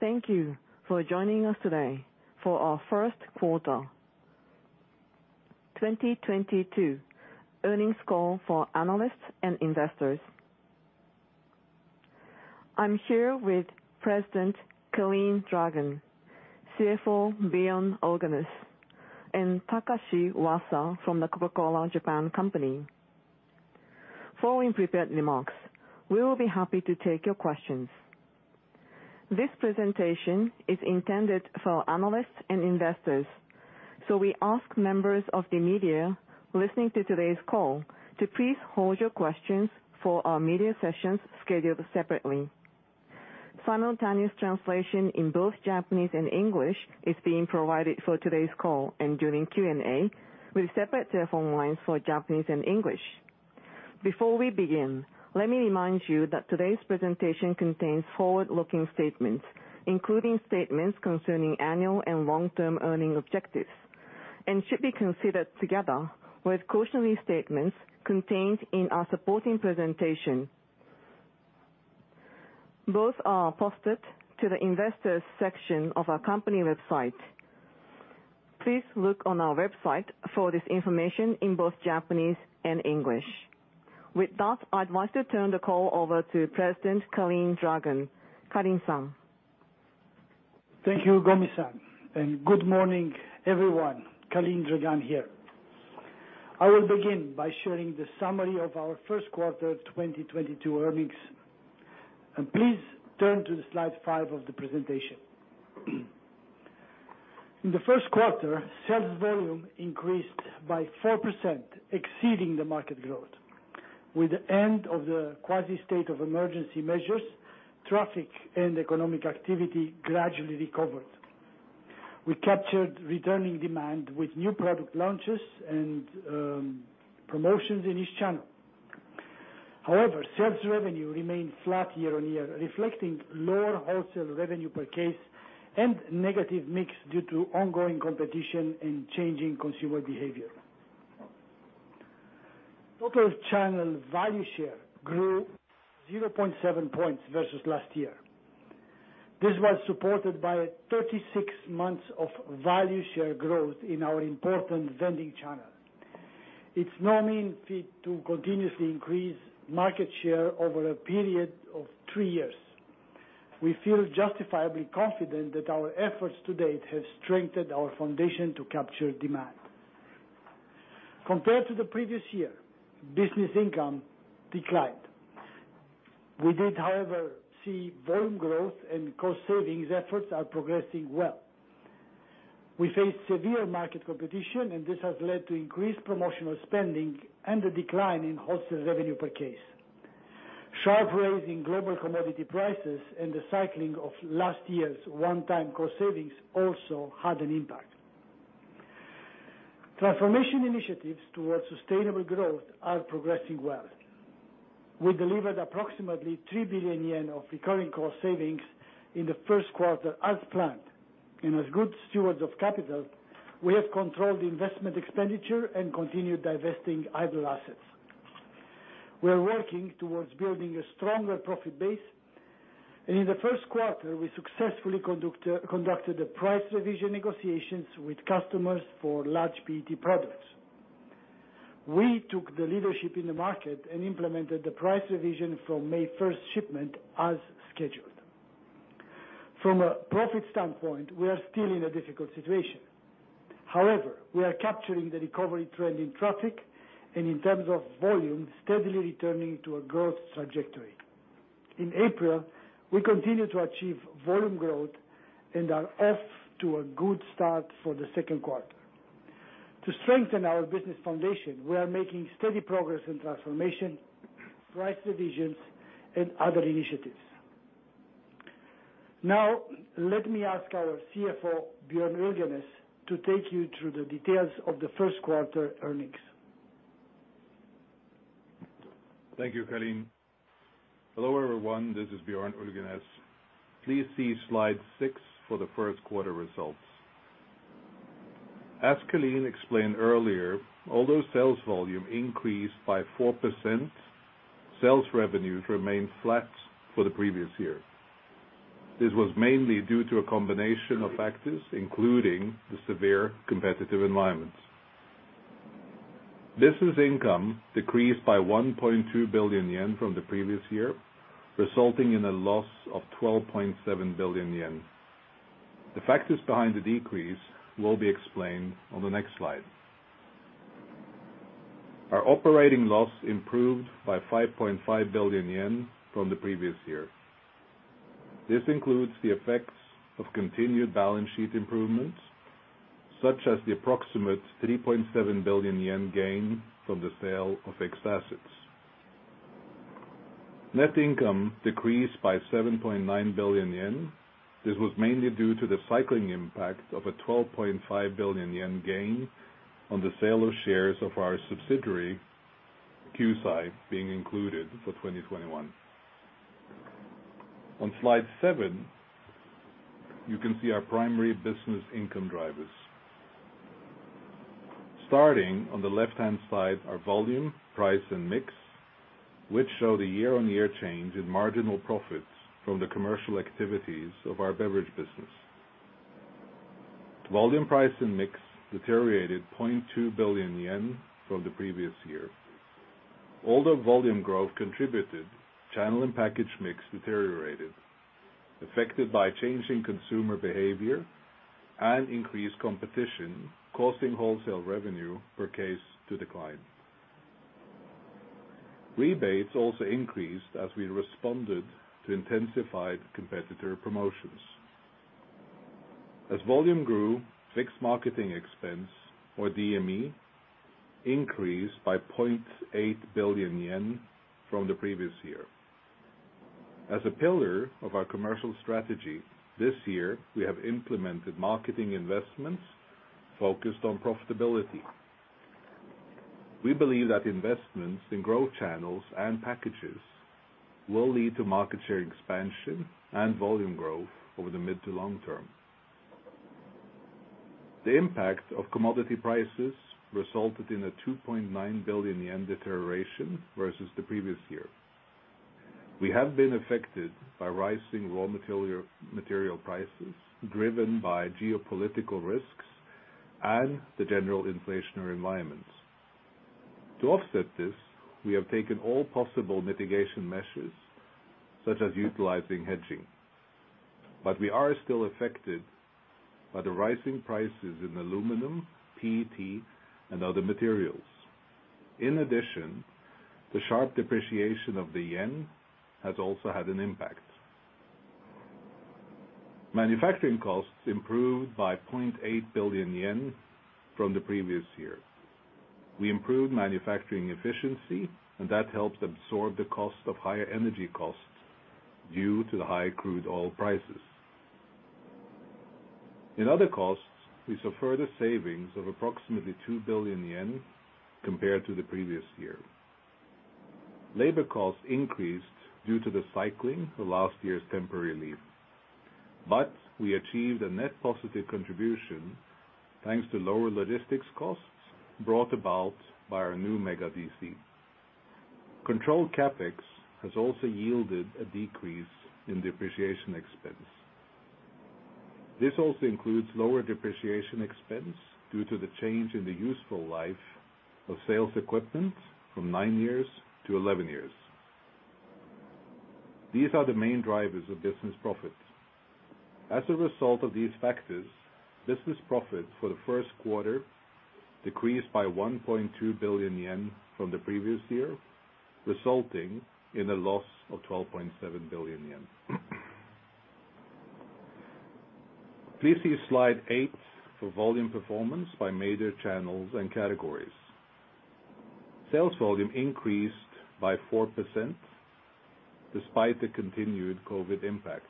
Thank you for joining us today for our Q1 2022 earnings call for analysts and investors. I'm here with President Calin Dragan, CFO Bjorn Ulgenes, and Takashi Wasa from Coca-Cola (Japan) Company. Following prepared remarks, we will be happy to take your questions. This presentation is intended for analysts and investors, so we ask members of the media listening to today's call to please hold your questions for our media sessions scheduled separately. Simultaneous translation in both Japanese and English is being provided for today's call and during Q&A, with separate telephone lines for Japanese and English. Before we begin, let me remind you that today's presentation contains forward-looking statements, including statements concerning annual and long-term earnings objectives, and should be considered together with cautionary statements contained in our supporting presentation. Both are posted to the investors section of our company website. Please look on our website for this information in both Japanese and English. With that, I'd like to turn the call over to President Calin Dragan. Calin-san. Thank you, Gomi-san, and good morning, everyone. Calin Dragan here. I will begin by sharing the summary of our Q1 2022 earnings. Please turn to slide 5 of the presentation. In the Q1, sales volume increased by 4%, exceeding the market growth. With the end of the quasi-state of emergency measures, traffic and economic activity gradually recovered. We captured returning demand with new product launches and promotions in each channel. However, sales revenue remained flat year-on-year, reflecting lower wholesale revenue per case and negative mix due to ongoing competition and changing consumer behavior. Total channel value share grew 0.7 points versus last year. This was supported by 36 months of value share growth in our important vending channel. It's no mean feat to continuously increase market share over a period of three years. We feel justifiably confident that our efforts to date have strengthened our foundation to capture demand. Compared to the previous year, business income declined. We did, however, see volume growth and cost savings efforts are progressing well. We face severe market competition, and this has led to increased promotional spending and a decline in wholesale revenue per case. Sharp rise in global commodity prices and the cycling of last year's one-time cost savings also had an impact. Transformation initiatives towards sustainable growth are progressing well. We delivered approximately 3 billion yen of recurring cost savings in the Q1 as planned. As good stewards of capital, we have controlled investment expenditure and continued divesting idle assets. We're working towards building a stronger profit base, and in the Q1, we successfully conducted the price revision negotiations with customers for large PET products. We took the leadership in the market and implemented the price revision from May first shipment as scheduled. From a profit standpoint, we are still in a difficult situation. However, we are capturing the recovery trend in traffic and in terms of volume, steadily returning to a growth trajectory. In April, we continued to achieve volume growth and are off to a good start for the Q2. To strengthen our business foundation, we are making steady progress in transformation, price revisions, and other initiatives. Now, let me ask our CFO, Bjorn Ulgenes, to take you through the details of the Q1 earnings. Thank you, Calin. Hello, everyone. This is Bjorn Ulgenes. Please see slide six for the Q1 results. As Calin explained earlier, although sales volume increased by 4%, sales revenues remained flat for the previous year. This was mainly due to a combination of factors, including the severe competitive environments. Business income decreased by 1.2 billion yen from the previous year, resulting in a loss of 12.7 billion yen. The factors behind the decrease will be explained on the next slide. Our operating loss improved by 5.5 billion yen from the previous year. This includes the effects of continued balance sheet improvements, such as the approximate 3.7 billion yen gain from the sale of excess assets. Net income decreased by 7.9 billion yen. This was mainly due to the cycling impact of a 12.5 billion yen gain on the sale of shares of our subsidiary, Q'sai, being included for 2021. On slide seven, you can see our primary business income drivers. Starting on the left-hand side are volume, price and mix, which show the year-on-year change in marginal profits from the commercial activities of our beverage business. Volume, price and mix deteriorated 0.2 billion yen from the previous year. Although volume growth contributed, channel and package mix deteriorated, affected by changing consumer behavior and increased competition, causing wholesale revenue per case to decline. Rebates also increased as we responded to intensified competitor promotions. As volume grew, fixed marketing expense, or DME, increased by 0.8 billion yen from the previous year. As a pillar of our commercial strategy, this year we have implemented marketing investments focused on profitability. We believe that investments in growth channels and packages will lead to market share expansion and volume growth over the mid to long term. The impact of commodity prices resulted in a 2.9 billion yen deterioration versus the previous year. We have been affected by rising raw material prices driven by geopolitical risks and the general inflationary environments. To offset this, we have taken all possible mitigation measures, such as utilizing hedging. We are still affected by the rising prices in aluminum, PET, and other materials. In addition, the sharp depreciation of the yen has also had an impact. Manufacturing costs improved by 0.8 billion yen from the previous year. We improved manufacturing efficiency, and that helped absorb the cost of higher energy costs due to the high crude oil prices. In other costs, we saw further savings of approximately 2 billion yen compared to the previous year. Labor costs increased due to the cycling of last year's temporary leave. We achieved a net positive contribution thanks to lower logistics costs brought about by our new Mega DC. Controlled CapEx has also yielded a decrease in depreciation expense. This also includes lower depreciation expense due to the change in the useful life of sales equipment from nine years to 11 years. These are the main drivers of business profits. As a result of these factors, business profit for the Q1 decreased by 1.2 billion yen from the previous year, resulting in a loss of 12.7 billion yen. Please see slide eight for volume performance by major channels and categories. Sales volume increased by 4% despite the continued COVID impact.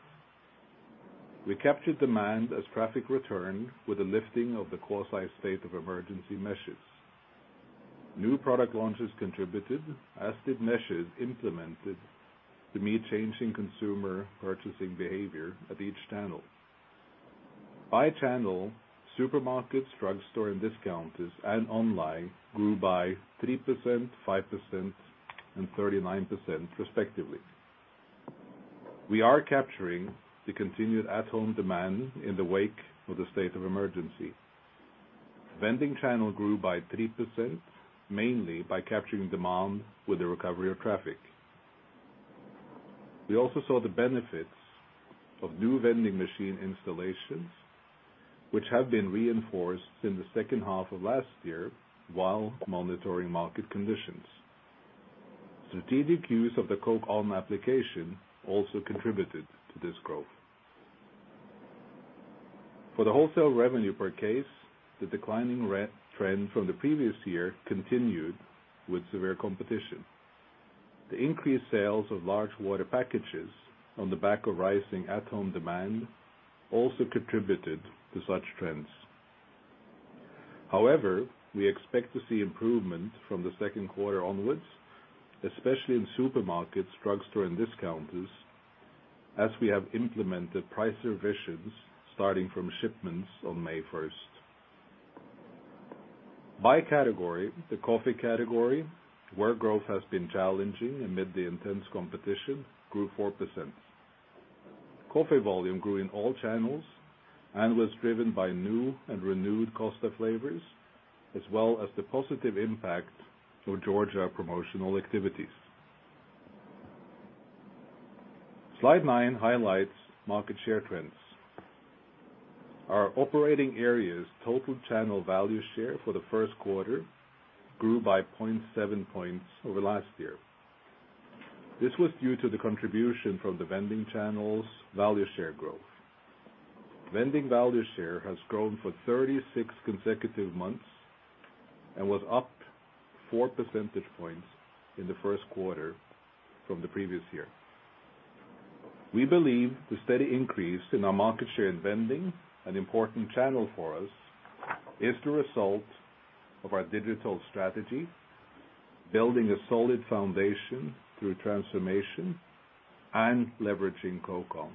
We captured demand as traffic returned with the lifting of the quasi state of emergency measures. New product launches contributed, as did measures implemented to meet changing consumer purchasing behavior at each channel. By channel, supermarkets, drugstore, and discounters and online grew by 3%, 5%, and 39% respectively. We are capturing the continued at-home demand in the wake of the state of emergency. Vending channel grew by 3%, mainly by capturing demand with the recovery of traffic. We also saw the benefits of new vending machine installations, which have been reinforced in the second half of last year while monitoring market conditions. Strategic use of the Coke ON application also contributed to this growth. For the wholesale revenue per case, the declining trend from the previous year continued with severe competition. The increased sales of large water packages on the back of rising at-home demand also contributed to such trends. However, we expect to see improvement from the Q2 onwards, especially in supermarkets, drugstore, and discounters, as we have implemented price revisions starting from shipments on May 1st. By category, the coffee category, where growth has been challenging amid the intense competition, grew 4%. Coffee volume grew in all channels and was driven by new and renewed Costa flavors, as well as the positive impact for Georgia promotional activities. Slide 9 highlights market share trends. Our operating areas total channel value share for the Q1 grew by 0.7 points over last year. This was due to the contribution from the vending channels value share growth. Vending value share has grown for 36 consecutive months and was up 4% points in the Q1 from the previous year. We believe the steady increase in our market share in vending, an important channel for us, is the result of our digital strategy. Building a solid foundation through transformation and leveraging Coke ON.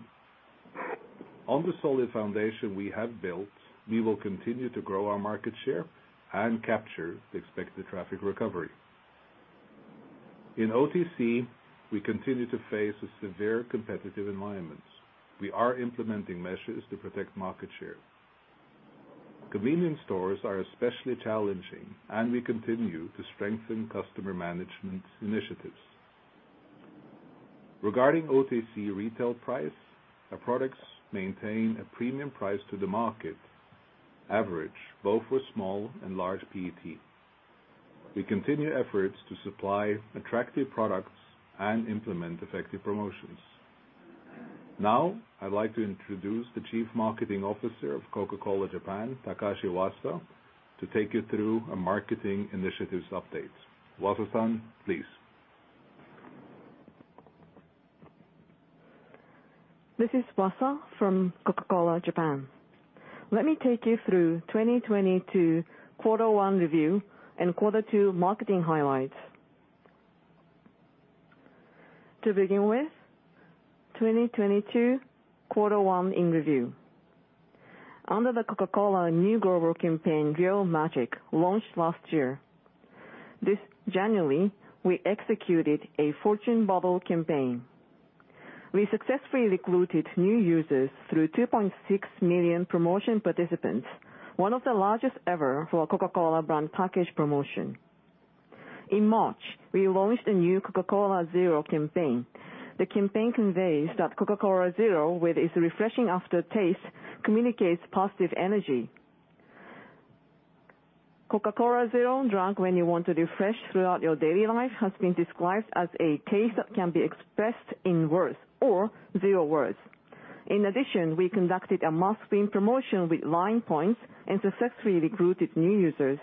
On the solid foundation we have built, we will continue to grow our market share and capture the expected traffic recovery. In OTC, we continue to face a severe competitive environment. We are implementing measures to protect market share. Convenience stores are especially challenging, and we continue to strengthen customer management initiatives. Regarding OTC retail price, our products maintain a premium price to the market average, both for small and large PET. We continue efforts to supply attractive products and implement effective promotions. Now, I'd like to introduce the Chief Marketing Officer of Coca-Cola Japan, Takashi Wasa, to take you through a marketing initiatives update. Wasa-san, please. This is Wasa from Coca-Cola Japan. Let me take you through 2022 quarter one review and quarter two marketing highlights. To begin with, 2022 quarter one in review. Under Coca-Cola's new global campaign Real Magic, launched last year, this January, we executed a fortune bottle campaign. We successfully recruited new users through 2.6 million promotion participants, one of the largest ever for a Coca-Cola brand package promotion. In March, we launched a new Coca-Cola Zero campaign. The campaign conveys that Coca-Cola Zero, with its refreshing aftertaste, communicates positive energy. Coca-Cola Zero, drunk when you want to refresh throughout your daily life, has been described as a taste that can be expressed in words or zero words. In addition, we conducted a mass frame promotion with LINE points and successfully recruited new users.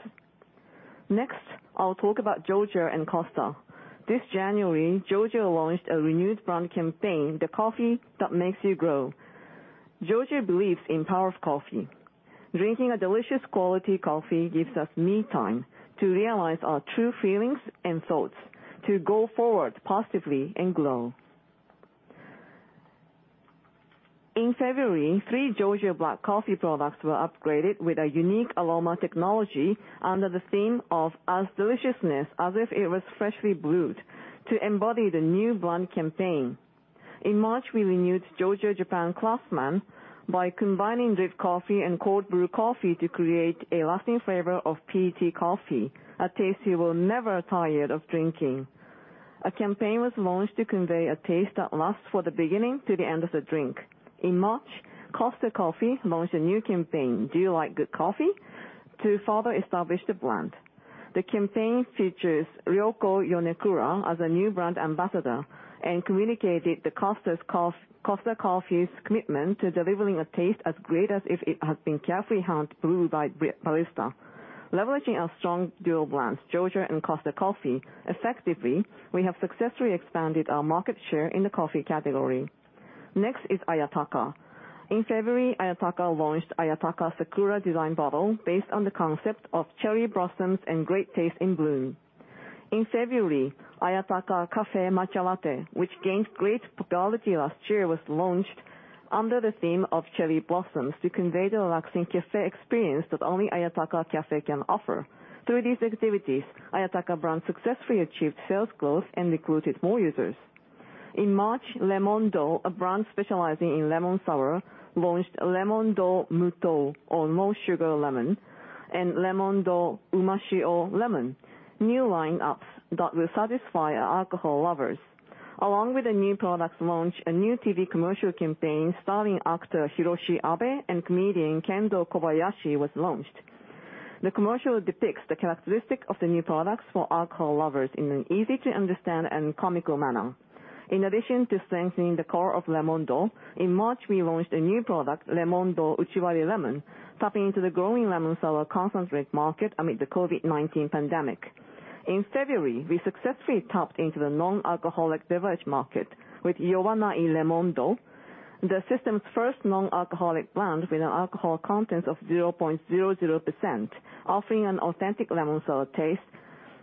Next, I'll talk about Georgia and Costa. This January, Georgia launched a renewed brand campaign, The Coffee That Makes You Grow. Georgia believes in the power of coffee. Drinking a delicious quality coffee gives us me time to realize our true feelings and thoughts, to go forward positively and grow. In February, three Georgia black coffee products were upgraded with a unique aroma technology under the theme of As Delicious as If It Was Freshly Brewed to embody the new brand campaign. In March, we renewed Georgia Japan Craftsman by combining drip coffee and cold brew coffee to create a lasting flavor of PET coffee, a taste you will never tire of drinking. A campaign was launched to convey a taste that lasts from the beginning to the end of the drink. In March, Costa Coffee launched a new campaign, Do You Like Good Coffee?, to further establish the brand. The campaign features Ryoko Yonekura as a new brand ambassador and communicated Costa Coffee's commitment to delivering a taste as great as if it has been carefully hand-brewed by barista. Leveraging our strong dual brands, Georgia and Costa Coffee, effectively, we have successfully expanded our market share in the coffee category. Next is Ayataka. In February, Ayataka launched Ayataka Sakura design bottle based on the concept of cherry blossoms and great taste in bloom. In February, Ayataka Cafe Matcha Latte, which gained great popularity last year, was launched under the theme of cherry blossoms to convey the relaxing cafe experience that only Ayataka Cafe can offer. Through these activities, Ayataka brand successfully achieved sales growth and recruited more users. In March, Lemon-dou, a brand specializing in lemon sour, launched Lemon-dou Muto Lemon, or No Sugar Lemon, and Lemon-dou Uma Shio Lemon, new lineups that will satisfy our alcohol lovers. Along with the new product launch, a new TV commercial campaign starring actor Hiroshi Abe and comedian Kendo Kobayashi was launched. The commercial depicts the characteristic of the new products for alcohol lovers in an easy-to-understand and comical manner. In addition to strengthening the core of Lemon-dou, in March, we launched a new product, Lemon-dou Uchiwari Lemon, tapping into the growing lemon sour concentrate market amid the COVID-19 pandemic. In February, we successfully tapped into the non-alcoholic beverage market with Yowanai, Lemon-dou, the system's first non-alcoholic brand with an alcohol content of 0.00%, offering an authentic lemon sour taste.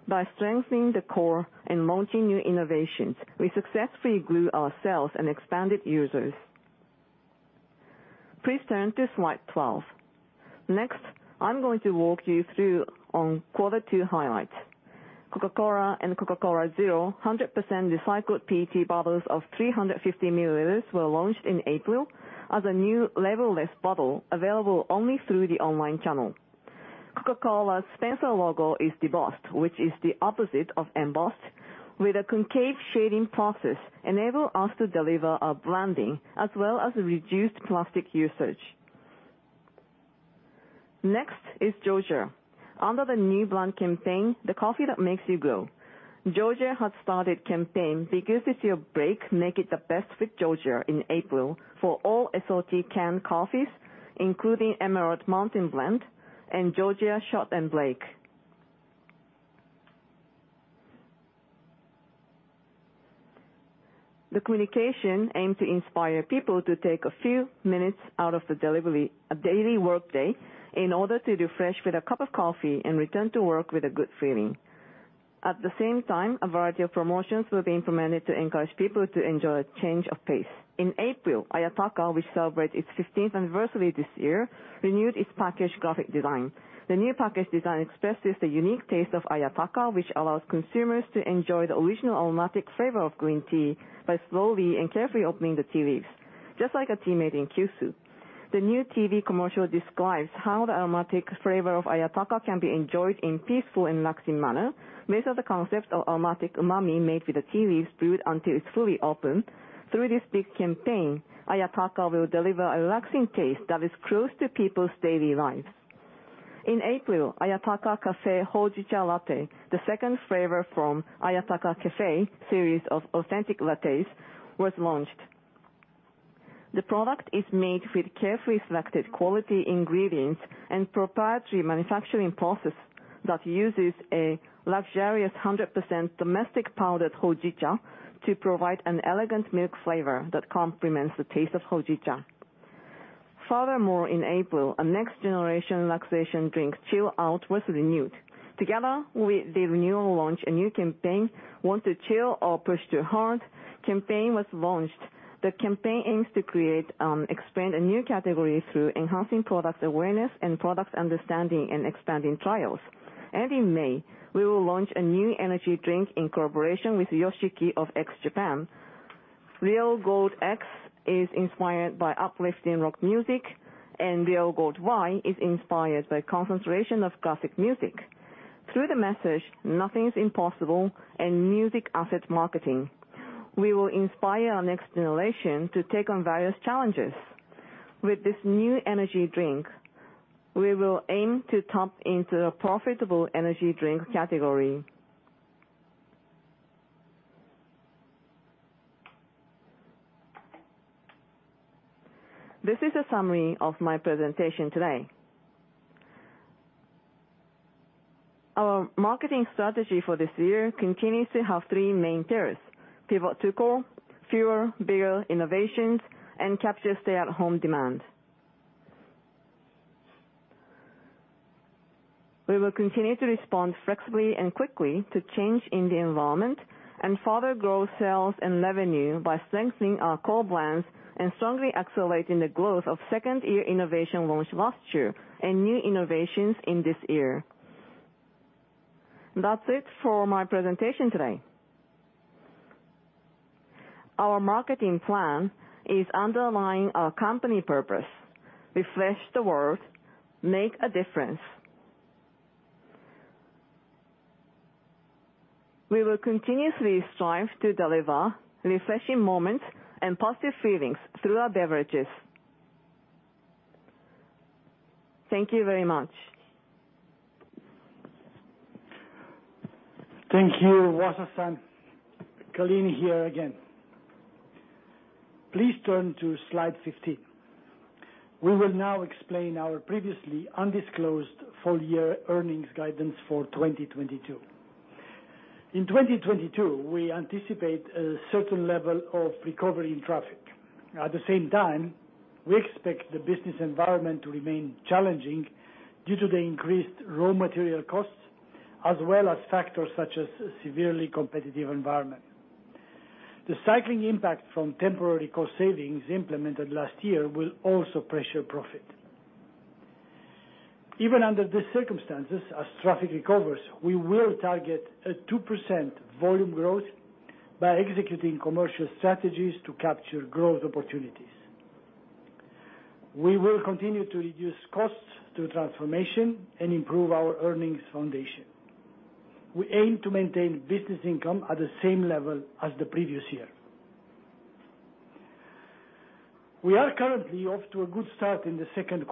By strengthening the core and launching new innovations, we successfully grew our sales and expanded users. Please turn to slide 12. Next, I'm going to walk you through on quarter two highlights. Coca-Cola and Coca-Cola Zero 100% recycled PET bottles of 350 milliliters were launched in April as a new label-less bottle available only through the online channel. Coca-Cola's Spencerian logo is debossed, which is the opposite of embossed, with a concave shading process, enable us to deliver our branding as well as reduced plastic usage. Next is Georgia. Under the new brand campaign, The Coffee That Makes You Grow, Georgia has started campaign, Because It's Your Break, Make It The Best With Georgia, in April for all SRT canned coffees, including Emerald Mountain Blend and Georgia Shot & Break. The communication aim to inspire people to take a few minutes out of the daily workday in order to refresh with a cup of coffee and return to work with a good feeling. At the same time, a variety of promotions will be implemented to encourage people to enjoy a change of pace. In April, Ayataka, which celebrates its fifteenth anniversary this year, renewed its package graphic design. The new package design expresses the unique taste of Ayataka, which allows consumers to enjoy the original aromatic flavor of green tea by slowly and carefully opening the tea leaves, just like a tea made in Kyushu. The new TV commercial describes how the aromatic flavor of Ayataka can be enjoyed in peaceful and relaxing manner based on the concept of aromatic umami made with the tea leaves brewed until it's fully opened. Through this big campaign, Ayataka will deliver a relaxing taste that is close to people's daily lives. In April, Ayataka Cafe Hojicha Latte, the second flavor from Ayataka Cafe series of authentic lattes, was launched. The product is made with carefully selected quality ingredients and proprietary manufacturing process that uses a luxurious 100% domestic powdered hojicha to provide an elegant milk flavor that complements the taste of hojicha. Furthermore, in April, a next generation relaxation drink, CHILL OUT, was renewed. Together with the renewal launch, a new campaign, Want to Chill or Push Too Hard, campaign was launched. The campaign aims to create, expand a new category through enhancing product awareness and product understanding and expanding trials. In May, we will launch a new energy drink in cooperation with Yoshiki of X Japan. Real Gold X is inspired by uplifting rock music, and Real Gold Y is inspired by YOSHIKI's classical music. Through the message, nothing is impossible and music-based marketing, we will inspire our next generation to take on various challenges. With this new energy drink, we will aim to tap into the profitable energy drink category. This is a summary of my presentation today. Our marketing strategy for this year continues to have three main pillars: pivot to core, fewer, bigger innovations, and capture stay-at-home demand. We will continue to respond flexibly and quickly to change in the environment and further grow sales and revenue by strengthening our core brands and strongly accelerating the growth of second year innovation launched last year and new innovations in this year. That's it for my presentation today. Our marketing plan is underlying our company purpose: Refresh the world, make a difference. We will continuously strive to deliver refreshing moments and positive feelings through our beverages. Thank you very much. Thank you, Wasa-san. Calin here again. Please turn to slide 15. We will now explain our previously undisclosed full year earnings guidance for 2022. In 2022, we anticipate a certain level of recovery in traffic. At the same time, we expect the business environment to remain challenging due to the increased raw material costs as well as factors such as severely competitive environment. The cycling impact from temporary cost savings implemented last year will also pressure profit. Even under these circumstances, as traffic recovers, we will target a 2% volume growth by executing commercial strategies to capture growth opportunities. We will continue to reduce costs through transformation and improve our earnings foundation. We aim to maintain business income at the same level as the previous year. We are currently off to a good start in the Q2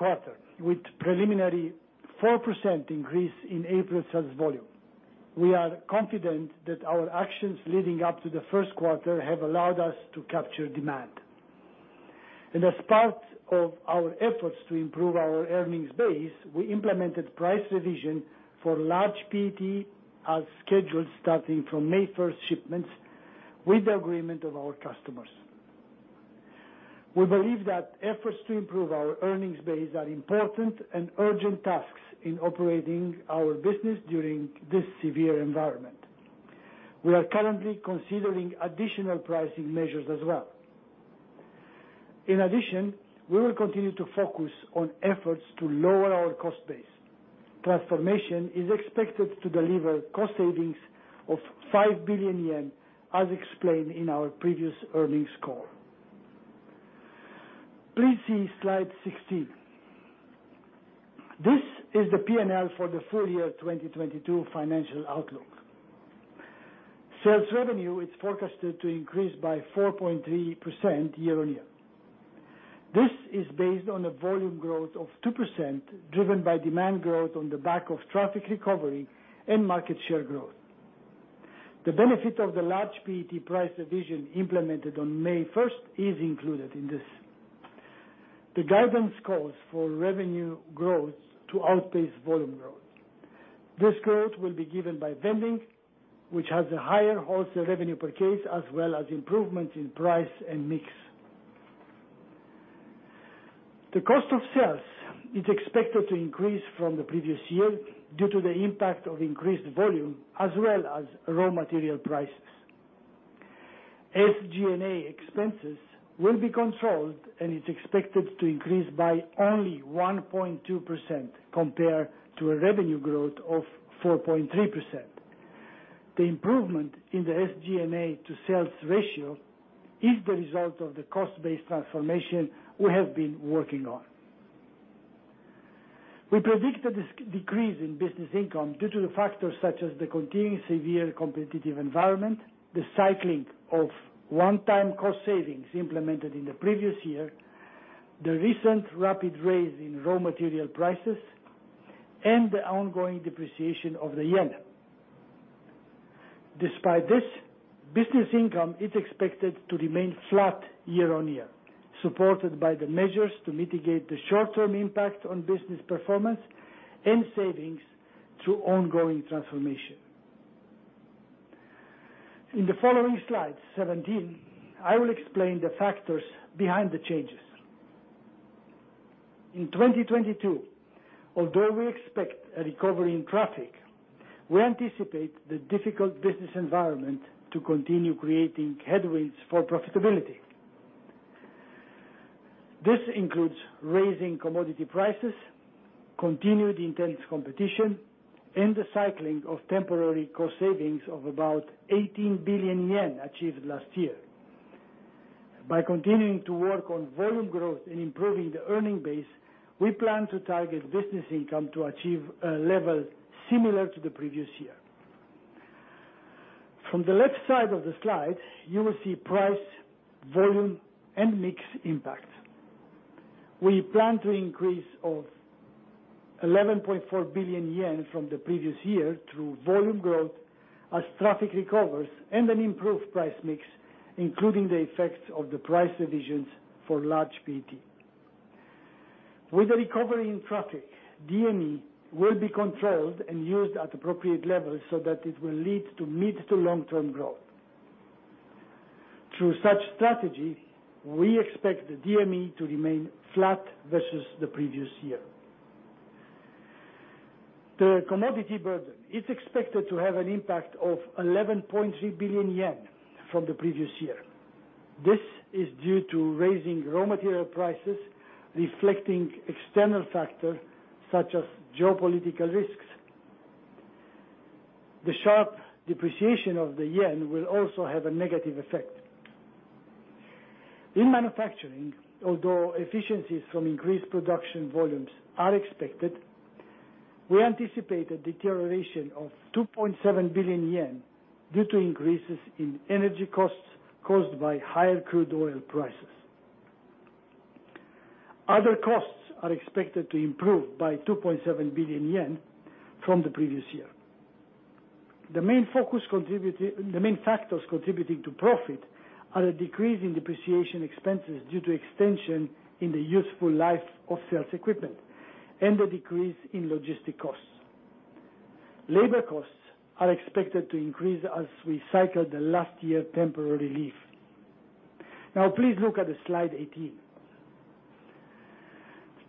with preliminary 4% increase in April sales volume. We are confident that our actions leading up to the Q1 have allowed us to capture demand. As part of our efforts to improve our earnings base, we implemented price revision for large PET as scheduled, starting from May 1st shipments with the agreement of our customers. We believe that efforts to improve our earnings base are important and urgent tasks in operating our business during this severe environment. We are currently considering additional pricing measures as well. In addition, we will continue to focus on efforts to lower our cost base. Transformation is expected to deliver cost savings of 5 billion yen as explained in our previous earnings call. Please see slide 16. This is the P&L for the full year 2022 financial outlook. Sales revenue is forecasted to increase by 4.3% year-on-year. This is based on a volume growth of 2% driven by demand growth on the back of traffic recovery and market share growth. The benefit of the large PET price revision implemented on May 1st is included in this. The guidance calls for revenue growth to outpace volume growth. This growth will be given by vending, which has a higher wholesale revenue per case, as well as improvement in price and mix. The cost of sales is expected to increase from the previous year due to the impact of increased volume as well as raw material prices. SG&A expenses will be controlled and is expected to increase by only 1.2% compared to a revenue growth of 4.3%. The improvement in the SG&A to sales ratio is the result of the cost-based transformation we have been working on. We predict a decrease in business income due to the factors such as the continuing severe competitive environment, the cycling of one-time cost savings implemented in the previous year, the recent rapid raise in raw material prices, and the ongoing depreciation of the yen. Despite this, business income is expected to remain flat year-on-year, supported by the measures to mitigate the short term impact on business performance and savings through ongoing transformation. In the following slide, 17, I will explain the factors behind the changes. In 2022, although we expect a recovery in traffic, we anticipate the difficult business environment to continue creating headwinds for profitability. This includes raising commodity prices, continued intense competition, and the cycling of temporary cost savings of about 18 billion yen achieved last year. By continuing to work on volume growth and improving the earning base, we plan to target business income to achieve a level similar to the previous year. From the left side of the slide, you will see price, volume, and mix impact. We plan to increase of 11.4 billion yen from the previous year through volume growth as traffic recovers and an improved price mix, including the effects of the price revisions for large PET. With the recovery in traffic, DME will be controlled and used at appropriate levels so that it will lead to mid- to long-term growth. Through such strategy, we expect the DME to remain flat versus the previous year. The commodity burden is expected to have an impact of 11.3 billion yen from the previous year. This is due to rising raw material prices, reflecting external factors such as geopolitical risks. The sharp depreciation of the yen will also have a negative effect. In manufacturing, although efficiencies from increased production volumes are expected, we anticipate a deterioration of 2.7 billion yen due to increases in energy costs caused by higher crude oil prices. Other costs are expected to improve by 2.7 billion yen from the previous year. The main factors contributing to profit are a decrease in depreciation expenses due to extension in the useful life of sales equipment and the decrease in logistic costs. Labor costs are expected to increase as we cycle the last year temporary leave. Now please look at the slide 18.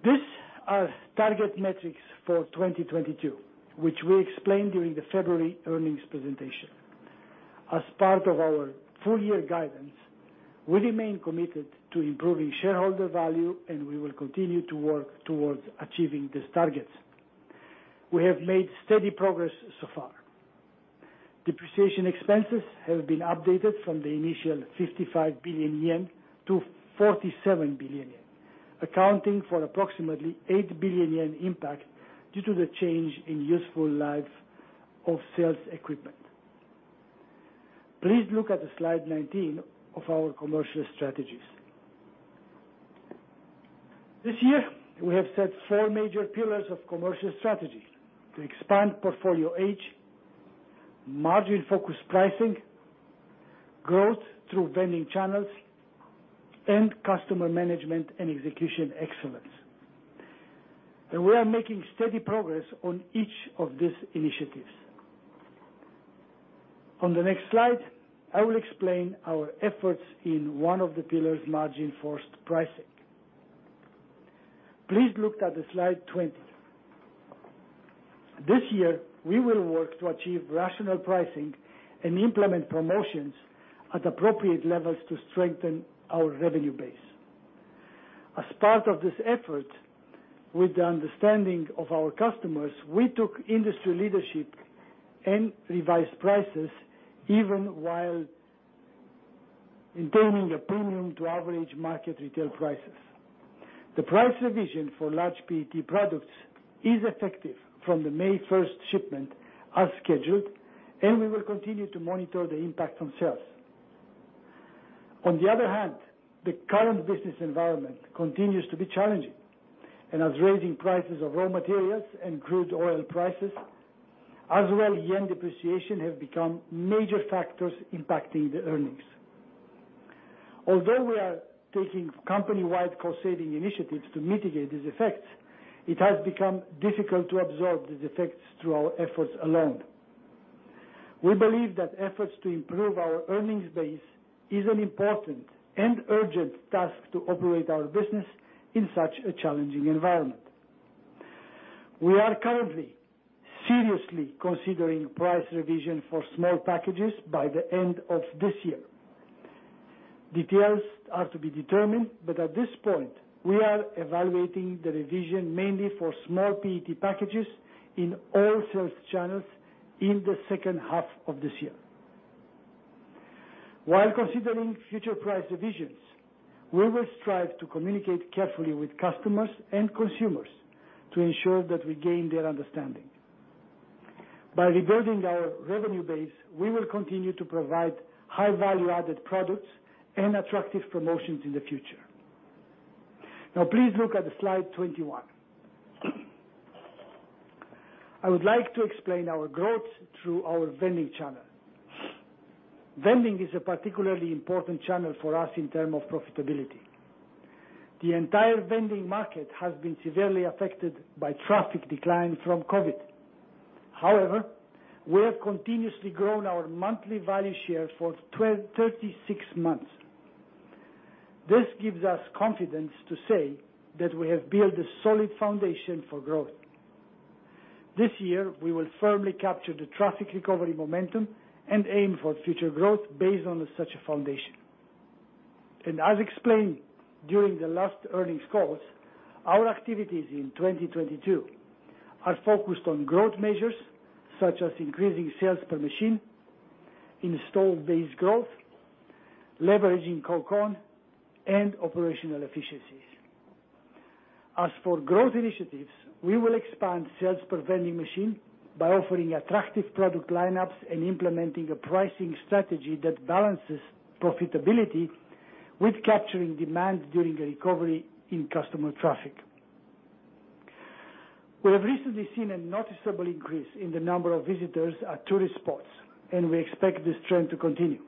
These are target metrics for 2022, which we explained during the February earnings presentation. As part of our full year guidance, we remain committed to improving shareholder value, and we will continue to work towards achieving these targets. We have made steady progress so far. Depreciation expenses have been updated from the initial 55 billion yen to 47 billion yen, accounting for approximately 8 billion yen impact due to the change in useful life of sales equipment. Please look at slide 19 of our commercial strategies. This year, we have set four major pillars of commercial strategies to expand portfolio age, margin-focused pricing, growth through vending channels, and customer management and execution excellence. We are making steady progress on each of these initiatives. On the next slide, I will explain our efforts in one of the pillars, margin-focused pricing. Please look at slide 20. This year, we will work to achieve rational pricing and implement promotions at appropriate levels to strengthen our revenue base. As part of this effort, with the understanding of our customers, we took industry leadership and revised prices even while maintaining a premium to average market retail prices. The price revision for large PET products is effective from the May first shipment as scheduled, and we will continue to monitor the impact on sales. On the other hand, the current business environment continues to be challenging. Rising prices of raw materials and crude oil prices as well, yen depreciation have become major factors impacting the earnings. Although we are taking company-wide cost-saving initiatives to mitigate these effects, it has become difficult to absorb these effects through our efforts alone. We believe that efforts to improve our earnings base is an important and urgent task to operate our business in such a challenging environment. We are currently seriously considering price revision for small packages by the end of this year. Details are to be determined, but at this point, we are evaluating the revision mainly for small PET packages in all sales channels in the second half of this year. While considering future price revisions, we will strive to communicate carefully with customers and consumers to ensure that we gain their understanding. By rebuilding our revenue base, we will continue to provide high value-added products and attractive promotions in the future. Now please look at the slide 21. I would like to explain our growth through our vending channel. Vending is a particularly important channel for us in terms of profitability. The entire vending market has been severely affected by traffic decline from COVID. However, we have continuously grown our monthly value share for 36 months. This gives us confidence to say that we have built a solid foundation for growth. This year, we will firmly capture the traffic recovery momentum and aim for future growth based on such a foundation. As explained during the last earnings calls, our activities in 2022 are focused on growth measures such as increasing sales per machine, installed base growth, leveraging Coke ON and operational efficiencies. As for growth initiatives, we will expand sales per vending machine by offering attractive product lineups and implementing a pricing strategy that balances profitability with capturing demand during a recovery in customer traffic. We have recently seen a noticeable increase in the number of visitors at tourist spots, and we expect this trend to continue.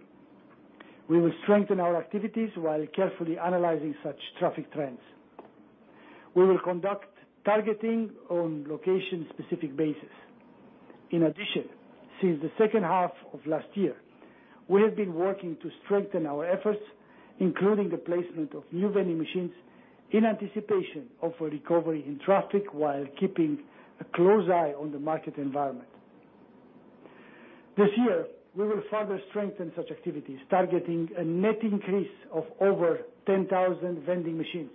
We will strengthen our activities while carefully analyzing such traffic trends. We will conduct targeting on location-specific basis. In addition, since the second half of last year, we have been working to strengthen our efforts, including the placement of new vending machines in anticipation of a recovery in traffic while keeping a close eye on the market environment. This year, we will further strengthen such activities, targeting a net increase of over 10,000 vending machines.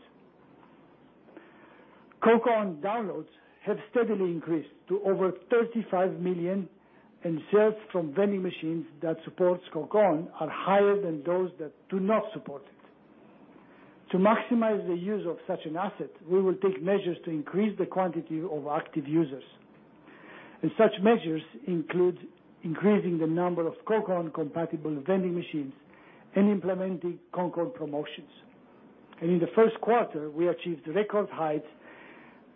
Coke ON downloads have steadily increased to over 35 million, and sales from vending machines that supports Coke ON are higher than those that do not support it. To maximize the use of such an asset, we will take measures to increase the quantity of active users, and such measures include increasing the number of Coke ON-compatible vending machines and implementing Coke ON promotions. In the Q1, we achieved record heights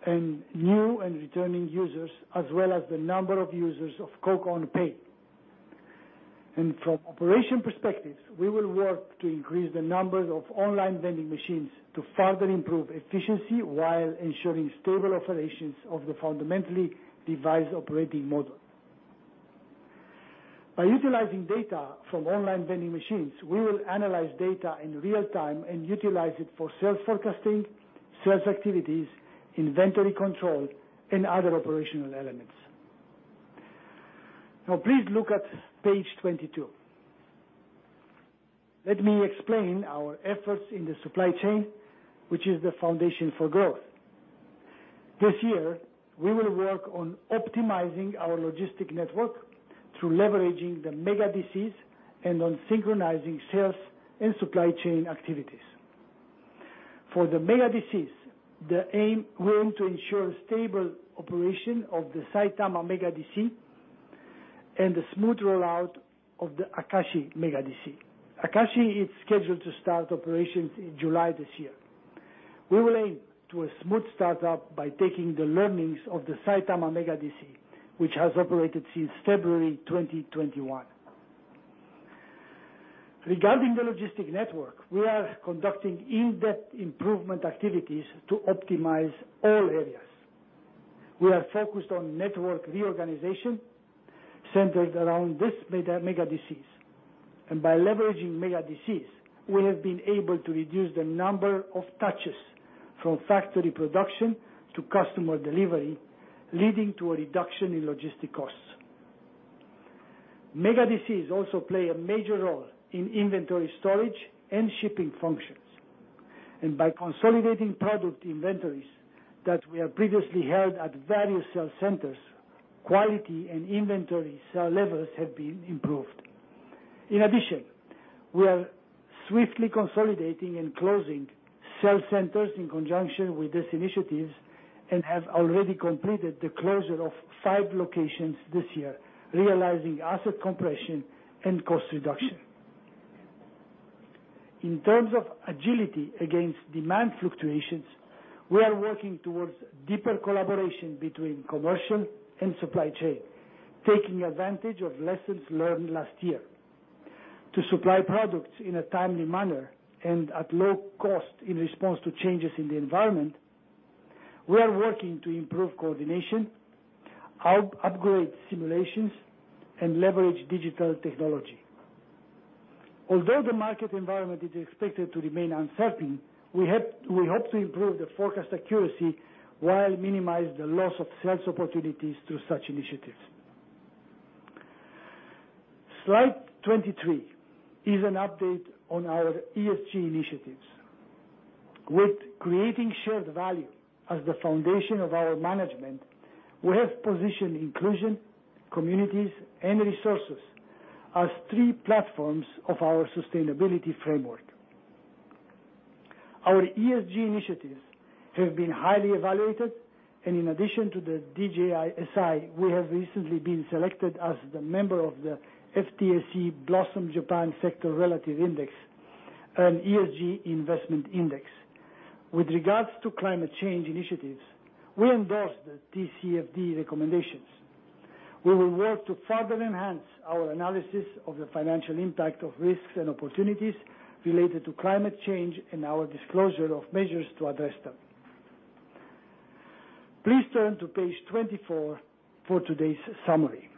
in new and returning users, as well as the number of users of Coke ON Pay. From operation perspectives, we will work to increase the numbers of online vending machines to further improve efficiency while ensuring stable operations of the fundamentally devised operating model. By utilizing data from online vending machines, we will analyze data in real time and utilize it for sales forecasting, sales activities, inventory control, and other operational elements. Now please look at page 22. Let me explain our efforts in the supply chain, which is the foundation for growth. This year, we will work on optimizing our logistic network through leveraging the mega DCs and on synchronizing sales and supply chain activities. We aim to ensure stable operation of the Saitama Mega DC and the smooth rollout of the Akashi Mega DC. Akashi is scheduled to start operations in July this year. We will aim to a smooth startup by taking the learnings of the Saitama Mega DC, which has operated since February 2021. Regarding the logistics network, we are conducting in-depth improvement activities to optimize all areas. We are focused on network reorganization centered around these Mega DCs, and by leveraging Mega DCs, we have been able to reduce the number of touches from factory production to customer delivery, leading to a reduction in logistics costs. Mega DCs also play a major role in inventory storage and shipping functions, and by consolidating product inventories that were previously held at various sales centers, quality and inventory shelf levels have been improved. In addition, we are swiftly consolidating and closing sales centers in conjunction with these initiatives and have already completed the closure of five locations this year, realizing asset compression and cost reduction. In terms of agility against demand fluctuations, we are working towards deeper collaboration between commercial and supply chain, taking advantage of lessons learned last year. To supply products in a timely manner and at low cost in response to changes in the environment, we are working to improve coordination, upgrade simulations, and leverage digital technology. Although the market environment is expected to remain uncertain, we hope to improve the forecast accuracy while minimizing the loss of sales opportunities through such initiatives. Slide 23 is an update on our ESG initiatives. With creating shared value as the foundation of our management, we have positioned inclusion, communities, and resources as three platforms of our sustainability framework. Our ESG initiatives have been highly evaluated, and in addition to the DJSI, we have recently been selected as the member of the FTSE Blossom Japan Sector Relative Index and ESG Investment Index. With regards to climate change initiatives, we endorse the TCFD recommendations. We will work to further enhance our analysis of the financial impact of risks and opportunities related to climate change and our disclosure of measures to address them. Please turn to page 24 for today's summary.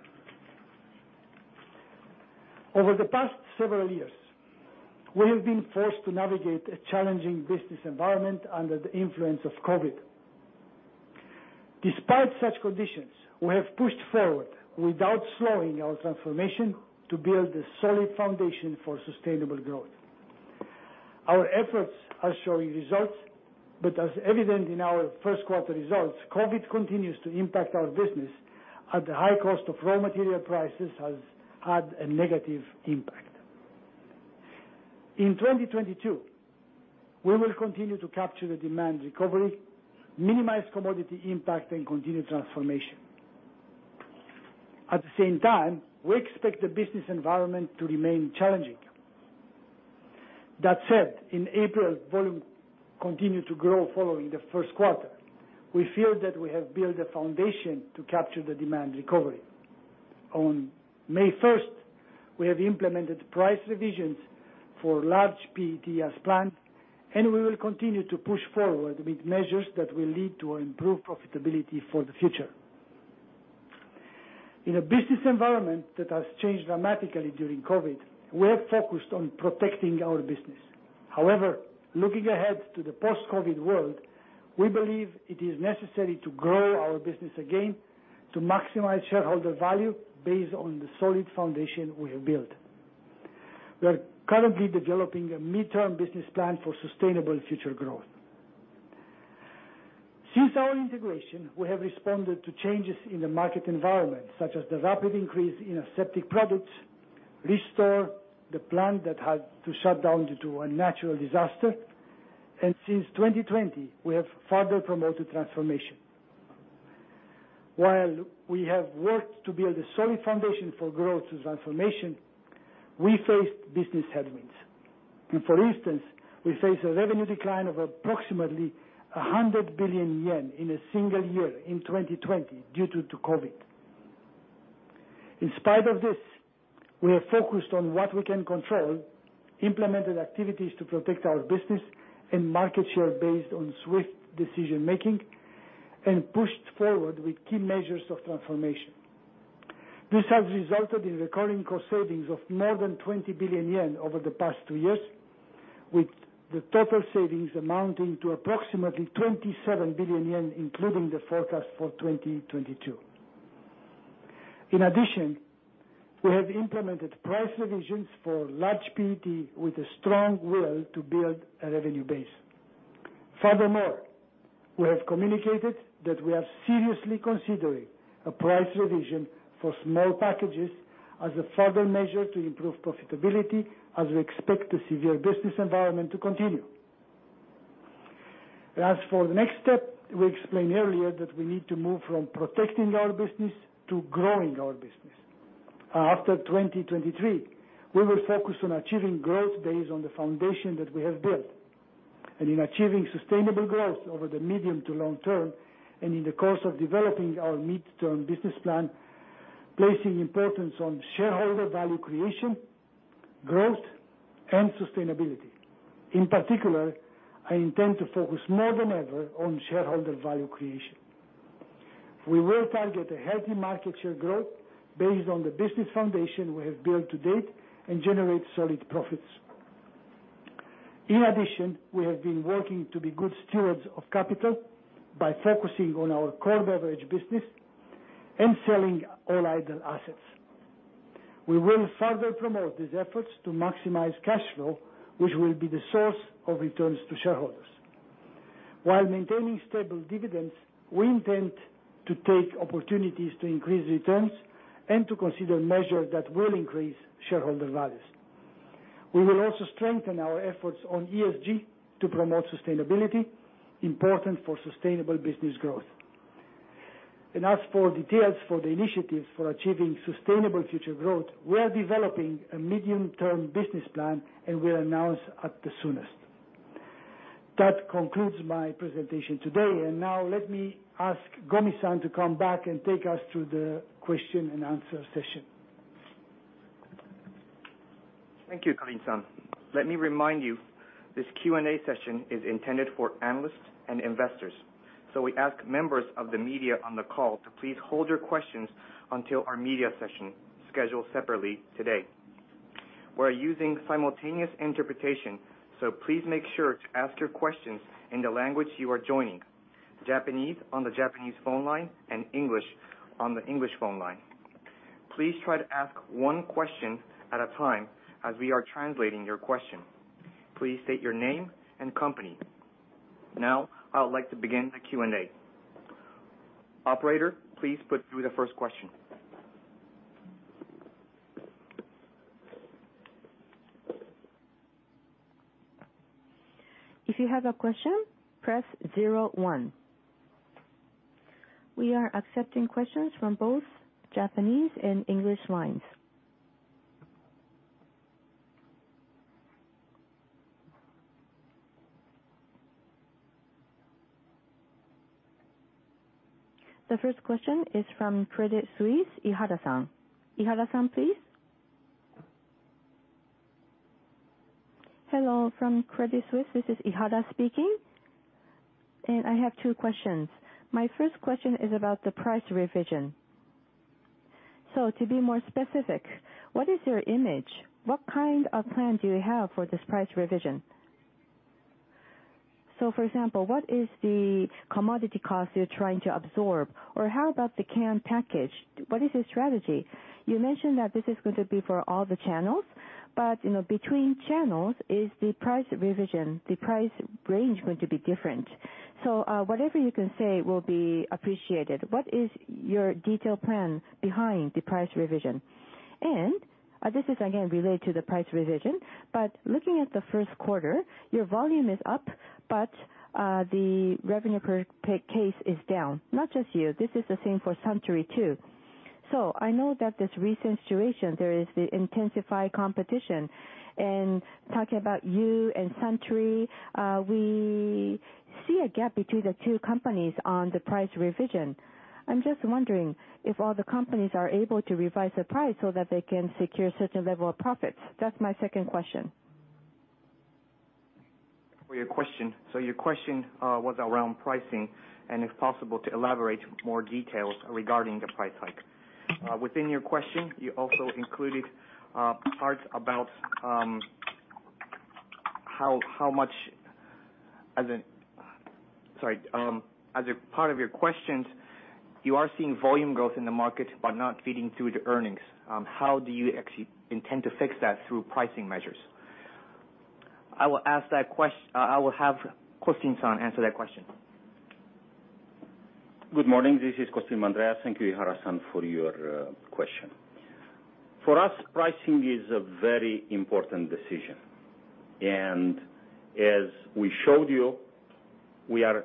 Over the past several years, we have been forced to navigate a challenging business environment under the influence of COVID. Despite such conditions, we have pushed forward without slowing our transformation to build a solid foundation for sustainable growth. Our efforts are showing results, but, as evident in our Q1 results, COVID continues to impact our business, and the high cost of raw material prices has had a negative impact. In 2022, we will continue to capture the demand recovery, minimize commodity impact, and continue transformation. At the same time, we expect the business environment to remain challenging. That said, in April, volume continued to grow following the Q1. We feel that we have built a foundation to capture the demand recovery. On May 1st, we have implemented price revisions for large PET as planned, and we will continue to push forward with measures that will lead to improved profitability for the future. In a business environment that has changed dramatically during COVID, we have focused on protecting our business. However, looking ahead to the post-COVID world, we believe it is necessary to grow our business again to maximize shareholder value based on the solid foundation we have built. We are currently developing a midterm business plan for sustainable future growth. Since our integration, we have responded to changes in the market environment, such as the rapid increase in aseptic products, restore the plant that had to shut down due to a natural disaster, and since 2020, we have further promoted transformation. While we have worked to build a solid foundation for growth through transformation, we faced business headwinds. For instance, we faced a revenue decline of approximately 100 billion yen in a single year in 2020 due to COVID. In spite of this, we are focused on what we can control, implemented activities to protect our business and market share based on swift decision-making, and pushed forward with key measures of transformation. This has resulted in recurring cost savings of more than 20 billion yen over the past two years, with the total savings amounting to approximately 27 billion yen, including the forecast for 2022. In addition, we have implemented price revisions for large PET with a strong will to build a revenue base. Furthermore, we have communicated that we are seriously considering a price revision for small packages as a further measure to improve profitability as we expect the severe business environment to continue. As for the next step, we explained earlier that we need to move from protecting our business to growing our business. After 2023, we will focus on achieving growth based on the foundation that we have built, and in achieving sustainable growth over the medium to long term, and in the course of developing our midterm business plan, placing importance on shareholder value creation, growth, and sustainability. In particular, I intend to focus more than ever on shareholder value creation. We will target a healthy market share growth based on the business foundation we have built to date and generate solid profits. In addition, we have been working to be good stewards of capital by focusing on our core beverage business and selling all idle assets. We will further promote these efforts to maximize cash flow, which will be the source of returns to shareholders. While maintaining stable dividends, we intend to take opportunities to increase returns and to consider measures that will increase shareholder values. We will also strengthen our efforts on ESG to promote sustainability, important for sustainable business growth. As for details for the initiatives for achieving sustainable future growth, we are developing a medium-term business plan and will announce at the soonest. That concludes my presentation today. Now let me ask Gomi-san to come back and take us through the question and answer session. Thank you, Calin-san. Let me remind you, this Q&A session is intended for analysts and investors. We ask members of the media on the call to please hold your questions until our media session, scheduled separately today. We're using simultaneous interpretation, so please make sure to ask your questions in the language you are joining. Japanese on the Japanese phone line and English on the English phone line. Please try to ask one question at a time as we are translating your question. Please state your name and company. Now I would like to begin the Q&A. Operator, please put through the first question. If you have a question, press zero one. We are accepting questions from both Japanese and English lines. The first question is from Credit Suisse, Ihara-san. Ihara-san, please. Hello from Credit Suisse, this is Ihara speaking. I have two questions. My first question is about the price revision. To be more specific, what is your aim? What kind of plan do you have for this price revision? For example, what is the commodity cost you're trying to absorb? Or how about the can package? What is your strategy? You mentioned that this is going to be for all the channels, but, you know, between channels is the price revision, the price range going to be different. Whatever you can say will be appreciated. What is your detailed plan behind the price revision? This is again related to the price revision, but looking at the Q1, your volume is up, but the revenue per case is down. Not just you, this is the same for Suntory too. I know that this recent situation, there is the intensified competition. Talking about you and Suntory, we see a gap between the two companies on the price revision. I'm just wondering if other companies are able to revise the price so that they can secure such a level of profits? That's my second question. For your question. Your question was around pricing and if possible to elaborate more details regarding the price hike. Within your question, you also included parts about, as a part of your questions, you are seeing volume growth in the market but not feeding through to earnings. How do you actually intend to fix that through pricing measures? I will have Costin-san answer that question. Good morning. This is Costin Mandrea. Thank you, Ihara-san, for your question. For us, pricing is a very important decision, and as we showed you, we are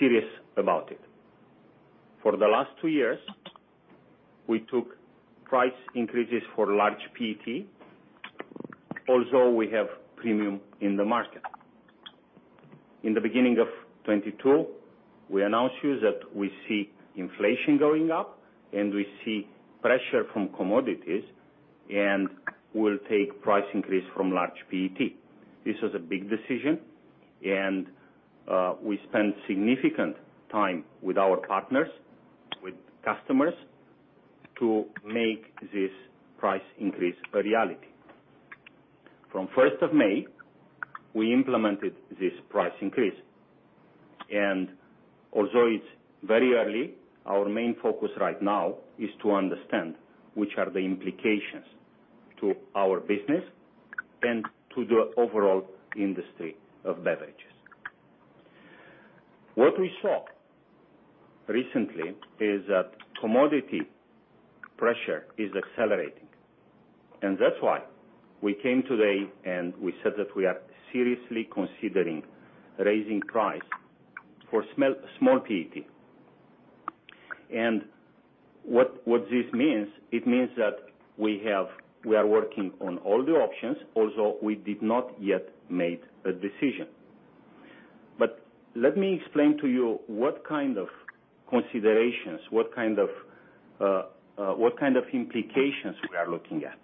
serious about it. For the last two years, we took price increases for large PET, also we have premium in the market. In the beginning of 2022, we announced to you that we see inflation going up and we see pressure from commodities, and we'll take price increase from large PET. This was a big decision and we spent significant time with our partners, with customers to make this price increase a reality. From first of May, we implemented this price increase. Although it's very early, our main focus right now is to understand which are the implications to our business and to the overall industry of beverages. What we saw recently is that commodity pressure is accelerating, and that's why we came today and we said that we are seriously considering raising price for small PET. What this means, it means that we are working on all the options, although we did not yet made a decision. Let me explain to you what kind of considerations, what kind of implications we are looking at.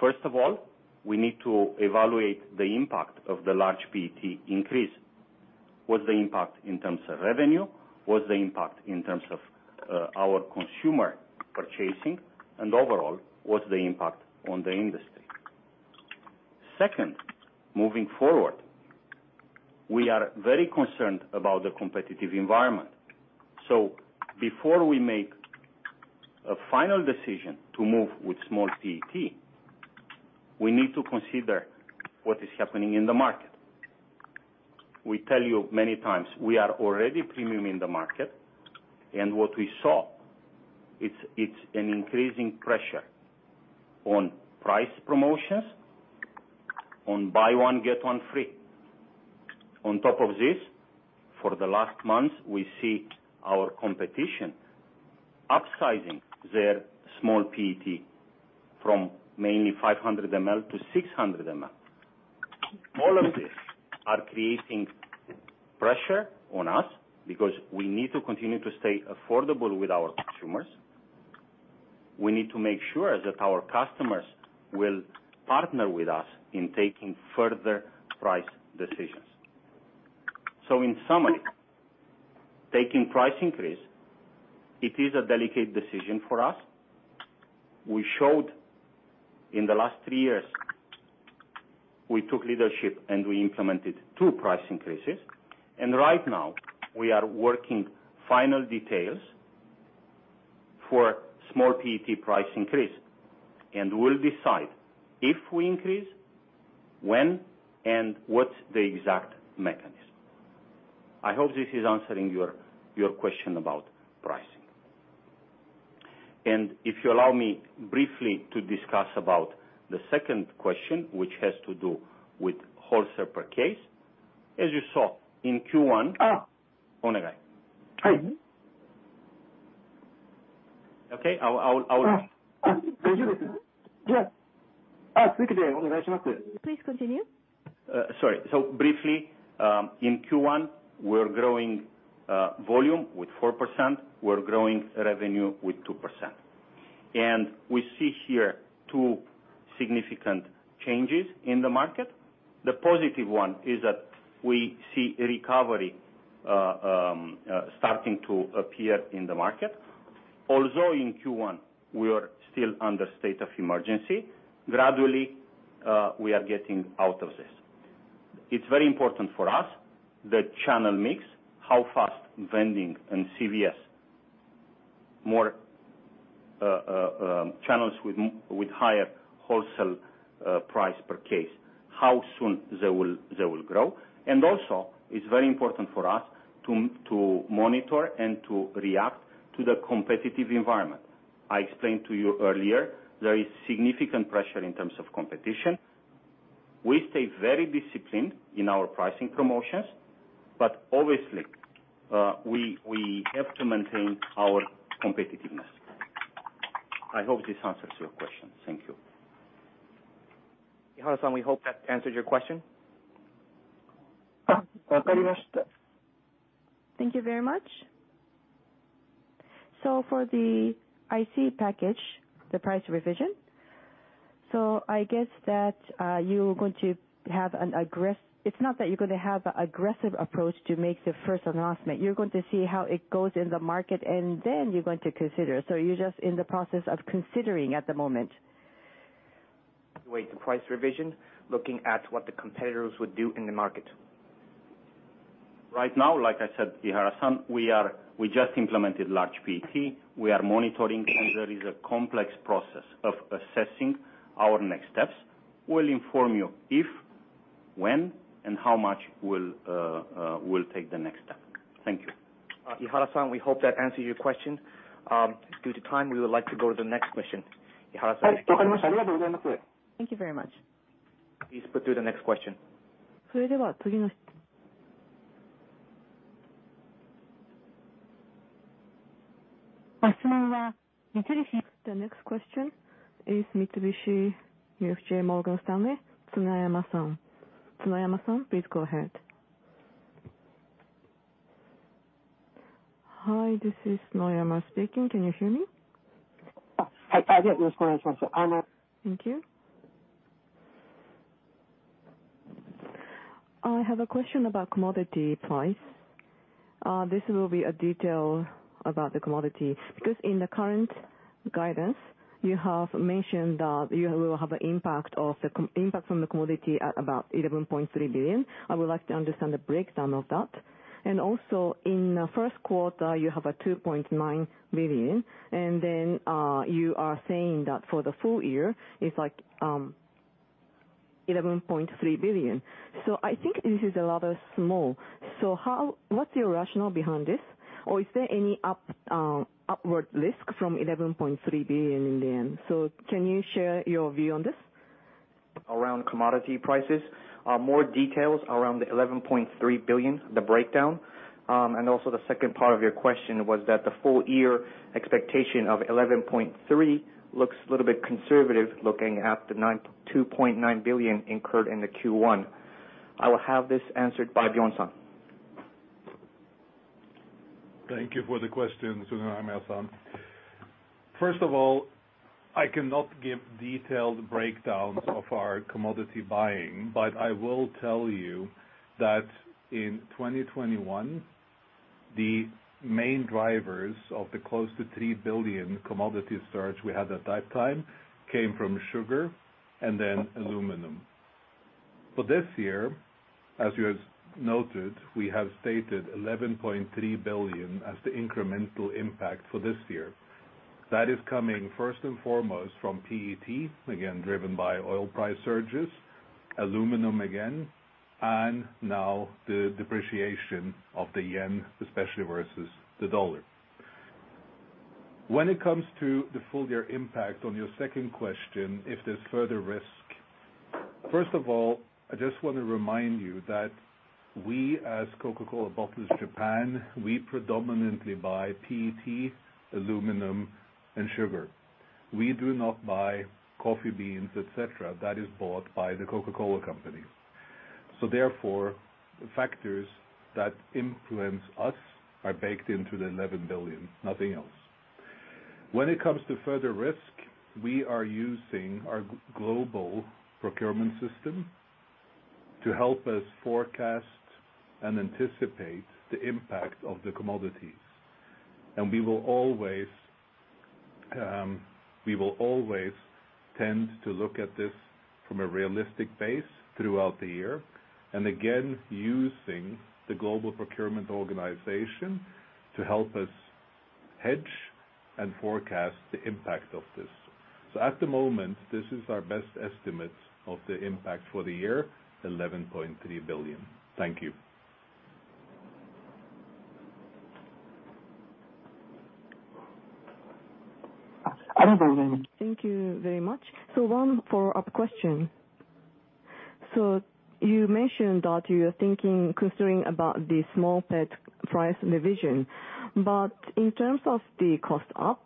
First of all, we need to evaluate the impact of the large PET increase. What's the impact in terms of revenue? What's the impact in terms of our consumer purchasing? And overall, what's the impact on the industry? Second, moving forward, we are very concerned about the competitive environment. Before we make a final decision to move with small PET, we need to consider what is happening in the market. We tell you many times, we are already premium in the market. What we saw, it's an increasing pressure on price promotions on buy one, get one free. On top of this, for the last month, we see our competition upsizing their small PET from mainly 500 ml to 600 ml. All of these are creating pressure on us because we need to continue to stay affordable with our consumers. We need to make sure that our customers will partner with us in taking further price decisions. In summary, taking price increase, it is a delicate decision for us. We showed in the last three years, we took leadership, and we implemented two price increases. Right now we are working final details for small PET price increase, and we'll decide if we increase, when, and what's the exact mechanism. I hope this is answering your question about pricing. If you allow me briefly to discuss about the second question, which has to do with wholesale per case. As you saw in Q1. Ah. Please continue. Sorry. Briefly, in Q1, we're growing volume with 4%, we're growing revenue with 2%. We see here two significant changes in the market. The positive one is that we see a recovery starting to appear in the market. Although in Q1, we are still under state of emergency. Gradually, we are getting out of this. It's very important for us, the channel mix, how fast vending and CVS, more channels with higher wholesale price per case, how soon they will grow. Also, it's very important for us to monitor and to react to the competitive environment. I explained to you earlier, there is significant pressure in terms of competition. We stay very disciplined in our pricing promotions, but obviously, we have to maintain our competitiveness. I hope this answers your question. Thank you. We hope that answered your question. Thank you very much. For the IC package, the price revision, so I guess that. It's not that you're gonna have a aggressive approach to make the first announcement. You're going to see how it goes in the market and then you're going to consider. You're just in the process of considering at the moment. Weigh the price revision, looking at what the competitors would do in the market. Right now, like I said, we just implemented large PET. We are monitoring, and there is a complex process of assessing our next steps. We'll inform you if, when, and how much we'll take the next step. Thank you. We hope that answered your question. Due to time, we would like to go to the next question. Thank you very much. Please put through the next question. The next question is Mitsubishi UFJ Morgan Stanley, Tsunoyama-san. Tsunoyama-san, please go ahead. Hi, this is Tsunoyama speaking. Can you hear me? Thank you. I have a question about commodity price. This will be a detail about the commodity. Because in the current guidance, you have mentioned that you will have an impact from the commodity at about 11.3 billion. I would like to understand the breakdown of that. Also in the Q1, you have a 2.9 billion, and then you are saying that for the full year, it's like 11.3 billion. I think this is a lot smaller. How? What's your rationale behind this? Or is there any upward risk from 11.3 billion in yen? Can you share your view on this? Around commodity prices, more details around the 11.3 billion, the breakdown. Also the second part of your question was that the full-year expectation of 11.3 looks a little bit conservative, looking at the 2.9 billion incurred in the Q1. I will have this answered by Bjorn-san. Thank you for the question, Tsunoyama-san. First of all, I cannot give detailed breakdowns of our commodity buying, but I will tell you that in 2021, the main drivers of the close to 3 billion commodity surge we had at that time came from sugar and then aluminum. For this year, as you have noted, we have stated 11.3 billion as the incremental impact for this year. That is coming first and foremost from PET, again, driven by oil price surges, aluminum again, and now the depreciation of the yen, especially versus the dollar. When it comes to the full year impact, on your second question, if there's further risk. First of all, I just wanna remind you that we as Coca-Cola Bottlers Japan, we predominantly buy PET, aluminum, and sugar. We do not buy coffee beans, et cetera. That is bought by the Coca-Cola Company. Therefore, factors that influence us are baked into the 11 billion, nothing else. When it comes to further risk, we are using our global procurement system to help us forecast and anticipate the impact of the commodities. We will always tend to look at this from a realistic base throughout the year, and again, using the global procurement organization to help us hedge and forecast the impact of this. At the moment, this is our best estimate of the impact for the year, 11.3 billion. Thank you. Thank you very much. One follow-up question. You mentioned that you are thinking, considering about the small PET price revision. In terms of the cost up,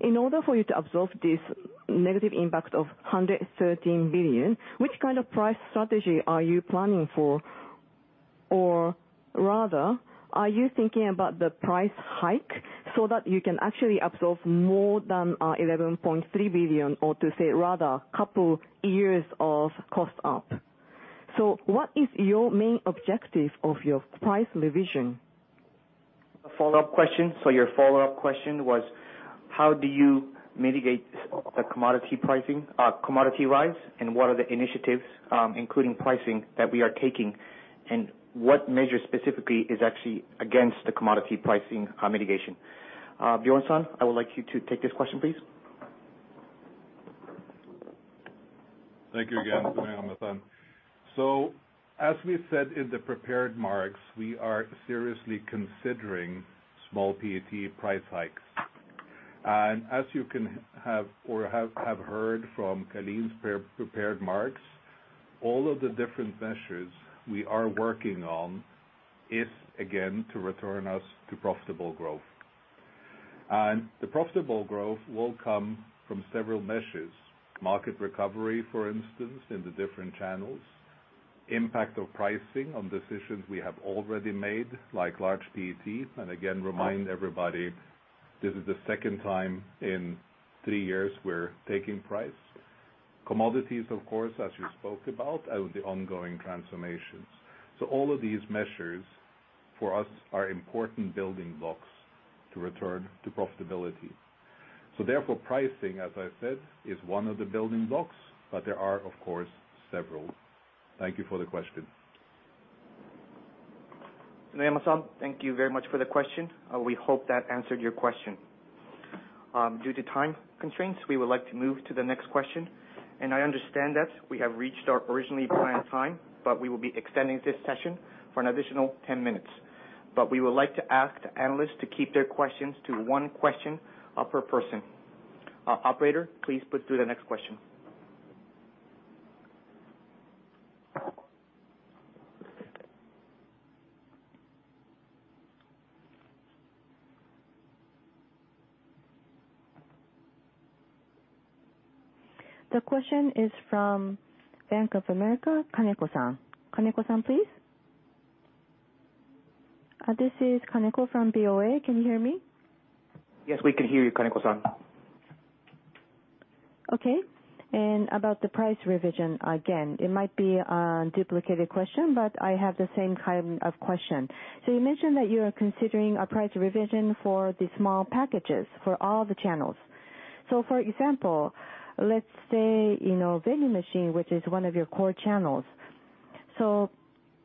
in order for you to absorb this negative impact of 113 billion, which kind of price strategy are you planning for? Rather, are you thinking about the price hike so that you can actually absorb more than 11.3 billion or to say rather couple years of cost up? What is your main objective of your price revision? A follow-up question. Your follow-up question was, how do you mitigate the commodity pricing, commodity rise, and what are the initiatives, including pricing that we are taking, and what measure specifically is actually against the commodity pricing, mitigation? Bjorn-san, I would like you to take this question, please. Thank you again, Tsunoyama-san. As we said in the prepared remarks, we are seriously considering small PET price hikes. As you may have heard from Calin's pre-prepared remarks, all of the different measures we are working on is, again, to return us to profitable growth. The profitable growth will come from several measures. Market recovery, for instance, in the different channels, impact of pricing and decisions we have already made, like large PETs, and again, remind everybody this is the second time in three years we're taking price. Commodities, of course, as you spoke about, and the ongoing transformations. All of these measures for us are important building blocks to return to profitability. Therefore, pricing, as I said, is one of the building blocks, but there are, of course, several. Thank you for the question. Tsunoyama-san, thank you very much for the question. We hope that answered your question. Due to time constraints, we would like to move to the next question. I understand that we have reached our originally planned time, but we will be extending this session for an additional 10 minutes. We would like to ask the analysts to keep their questions to one question per person. Operator, please put through the next question. The question is from Bank of America, Kaneko-san. Kaneko-san, please. This is Kaneko from BofA. Can you hear me? Yes, we can hear you, Kaneko-san. Okay. About the price revision again, it might be a duplicated question, but I have the same kind of question. You mentioned that you are considering a price revision for the small packages for all the channels. For example, let's say in a vending machine, which is one of your core channels, so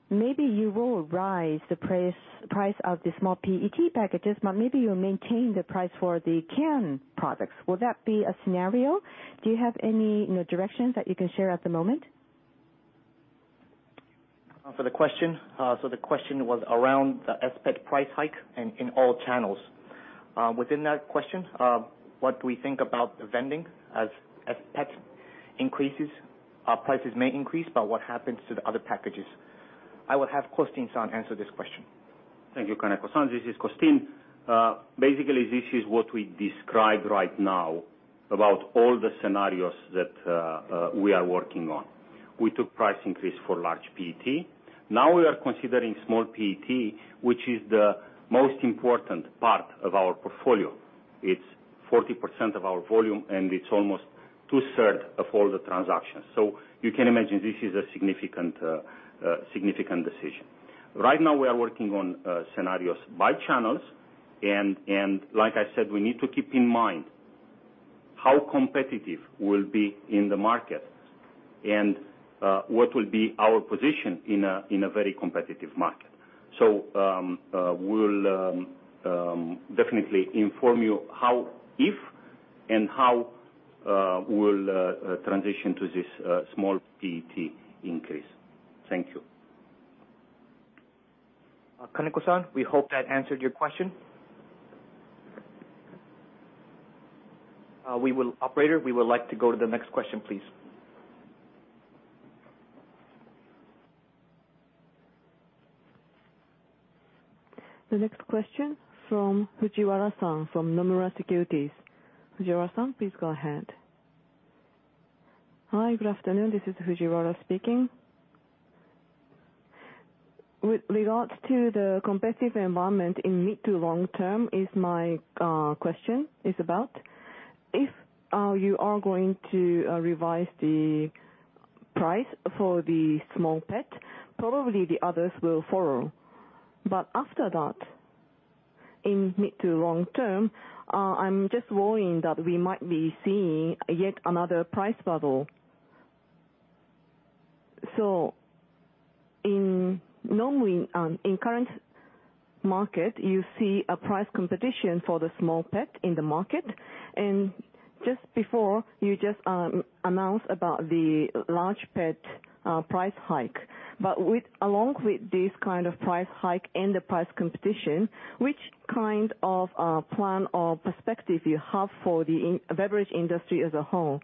maybe you will raise the price of the small PET packages, but maybe you'll maintain the price for the can products. Will that be a scenario? Do you have any, you know, directions that you can share at the moment? For the question. The question was around the PET price hike and in all channels. Within that question, what we think about the vending as PET increases, prices may increase, but what happens to the other packages? I will have Costin-san answer this question. Thank you, Kaneko-san. This is Costin. Basically, this is what we described right now about all the scenarios that we are working on. We took price increase for large PET. Now we are considering small PET, which is the most important part of our portfolio. It's 40% of our volume, and it's almost two-thirds of all the transactions. You can imagine this is a significant decision. Right now we are working on scenarios by channels, and like I said, we need to keep in mind how competitive we'll be in the market and what will be our position in a very competitive market. We'll definitely inform you how, if and how we'll transition to this small PET increase. Thank you. Kaneko-san, we hope that answered your question. Operator, we would like to go to the next question, please. The next question from Fujiwara-san from Nomura Securities. Fujiwara-san, please go ahead. Hi, good afternoon. This is Fujiwara speaking. With regards to the competitive environment in mid to long term is my question is about. If you are going to revise the price for the small PET, probably the others will follow. After that, in mid to long term, I'm just worrying that we might be seeing yet another price bubble. In normal, in current market, you see a price competition for the small PET in the market. Just before, you just announced about the large PET price hike. Along with this kind of price hike and the price competition, which kind of plan or perspective you have for the beverage industry as a whole?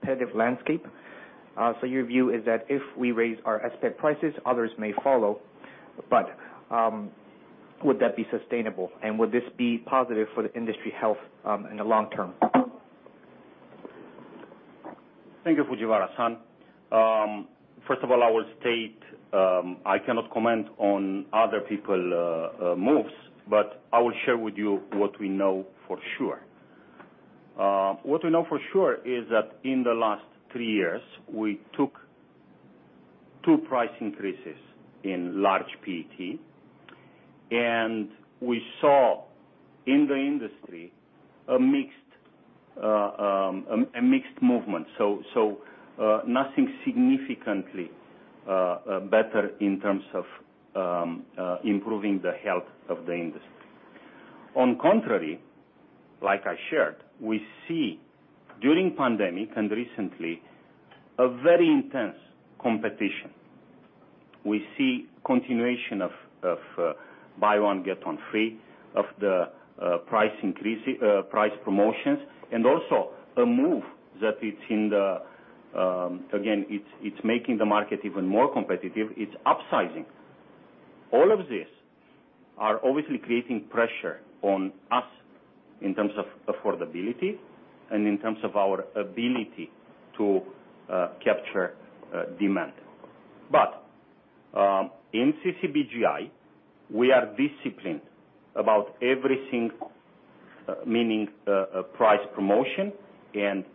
Competitive landscape. Your view is that if we raise our S-PET prices, others may follow, but would that be sustainable? Would this be positive for the industry health in the long term? Thank you, Fujiwara-san. First of all, I will state, I cannot comment on other people moves, but I will share with you what we know for sure. What we know for sure is that in the last three years, we took two price increases in large PET. We saw in the industry a mixed movement. Nothing significantly better in terms of improving the health of the industry. On the contrary, like I shared, we see during the pandemic and recently a very intense competition. We see continuation of buy one, get one free, of the price promotions, and also a move that it's making the market even more competitive, it's upsizing. All of these are obviously creating pressure on us in terms of affordability and in terms of our ability to capture demand. In CCBJI, we are disciplined about every single price promotion.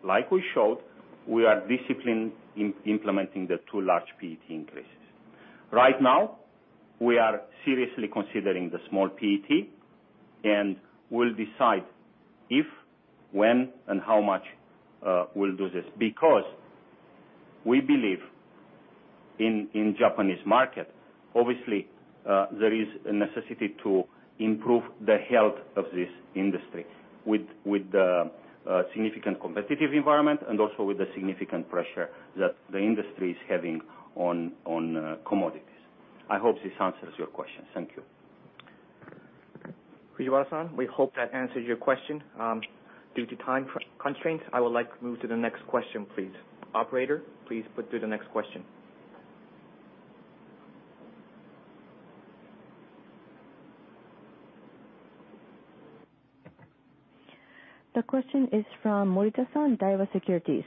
Like we showed, we are disciplined in implementing the two large PET increases. Right now, we are seriously considering the small PET, and we'll decide if, when, and how much we'll do this. We believe in Japanese market, obviously, there is a necessity to improve the health of this industry with the significant competitive environment and also with the significant pressure that the industry is having on commodities. I hope this answers your question. Thank you. Fujiwara-san, we hope that answers your question. Due to time constraints, I would like to move to the next question, please. Operator, please put through the next question. The question is from Morita-san, Daiwa Securities.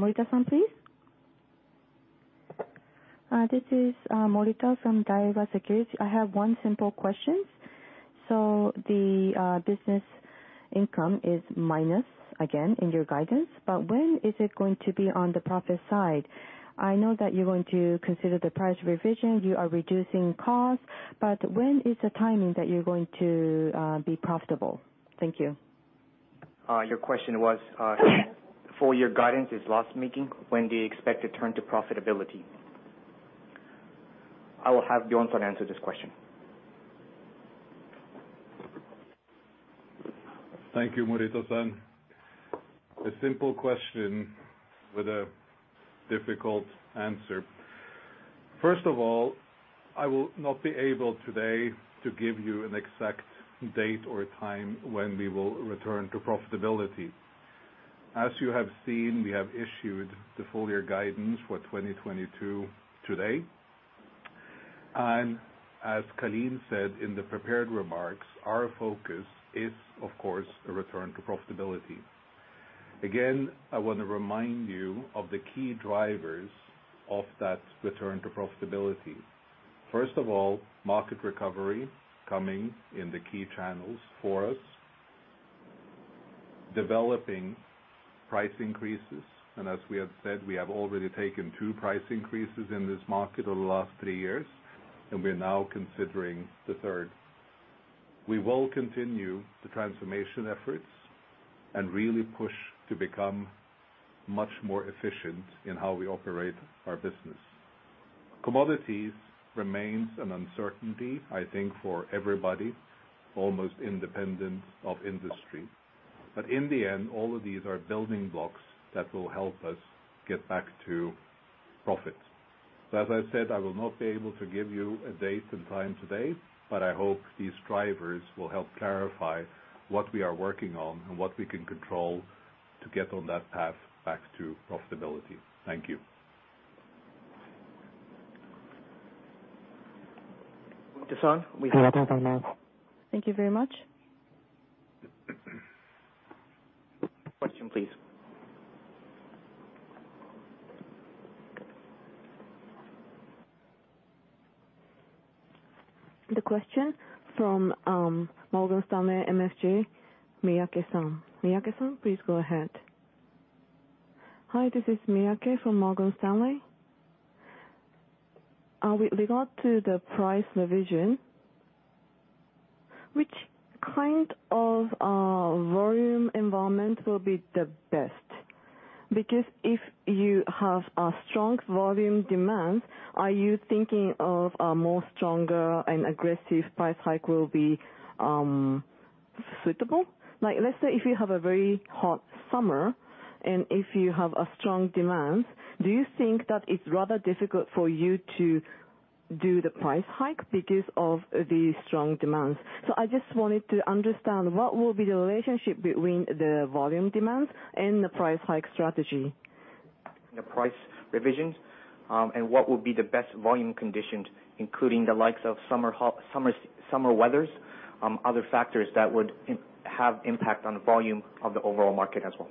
Morita-san, please. This is Morita from Daiwa Securities. I have one simple question. The business income is minus again in your guidance, but when is it going to be on the profit side? I know that you're going to consider the price revision, you are reducing costs, but when is the timing that you're going to be profitable? Thank you. Your question was, full year guidance is last meeting, when do you expect to turn to profitability? I will have Bjorn-san answer this question. Thank you, Morita-san. A simple question with a difficult answer. First of all, I will not be able today to give you an exact date or time when we will return to profitability. As you have seen, we have issued the full year guidance for 2022 today. As Calin said in the prepared remarks, our focus is, of course, a return to profitability. Again, I wanna remind you of the key drivers of that return to profitability. First of all, market recovery coming in the key channels for us. Developing price increases, and as we have said, we have already taken two price increases in this market over the last three years, and we're now considering the third. We will continue the transformation efforts and really push to become much more efficient in how we operate our business. Commodities remains an uncertainty, I think, for everybody, almost independent of industry. In the end, all of these are building blocks that will help us get back to profit. As I said, I will not be able to give you a date and time today, but I hope these drivers will help clarify what we are working on and what we can control to get on that path back to profitability. Thank you. Morita-san, we have time now. Thank you very much. Question, please. The question from Morgan Stanley MUFG, Miyake-san. Miyake-san, please go ahead. Hi, this is Miyake from Morgan Stanley. With regard to the price revision, which kind of volume environment will be the best? Because if you have a strong volume demand, are you thinking of a more stronger and aggressive price hike will be suitable? Like, let's say, if you have a very hot summer, and if you have a strong demand, do you think that it's rather difficult for you to do the price hike because of the strong demand? I just wanted to understand what will be the relationship between the volume demand and the price hike strategy. The price revisions and what will be the best volume conditions, including the likes of summer weather, other factors that would have impact on volume of the overall market as well.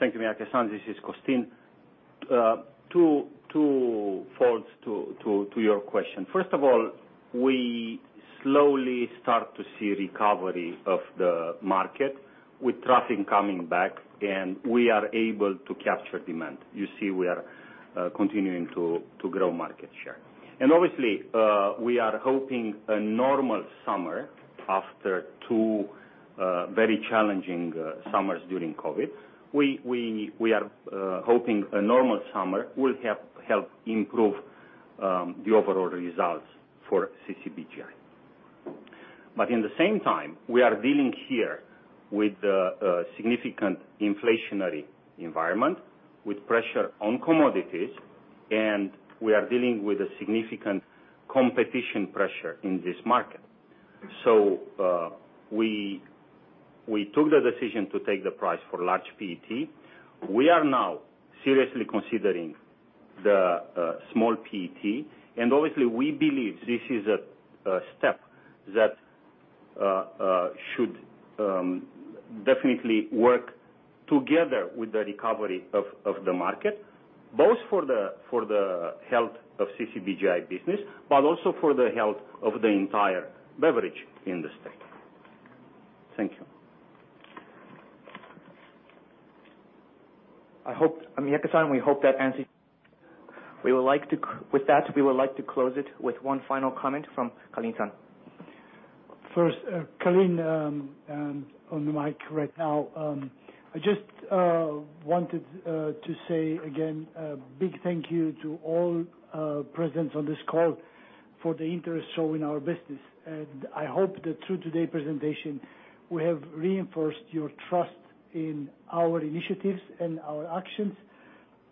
Thank you, Miyake-san. This is Costin. Two folds to your question. First of all, we slowly start to see recovery of the market with traffic coming back, and we are able to capture demand. You see, we are continuing to grow market share. Obviously, we are hoping a normal summer after two very challenging summers during COVID. We are hoping a normal summer will help improve the overall results for CCBJI. At the same time, we are dealing here with a significant inflationary environment with pressure on commodities, and we are dealing with a significant competitive pressure in this market. We took the decision to take the price for large PET. We are now seriously considering the small PET, and obviously, we believe this is a step that should definitely work together with the recovery of the market, both for the health of CCBJI business, but also for the health of the entire beverage industry. Thank you. I hope, I mean, Miyake-san, we hope that answers. With that, we would like to close it with one final comment from Calin-san. First, Calin, on the mic right now. I just wanted to say again a big thank you to all present on this call for the interest shown in our business. I hope that through today presentation, we have reinforced your trust in our initiatives and our actions.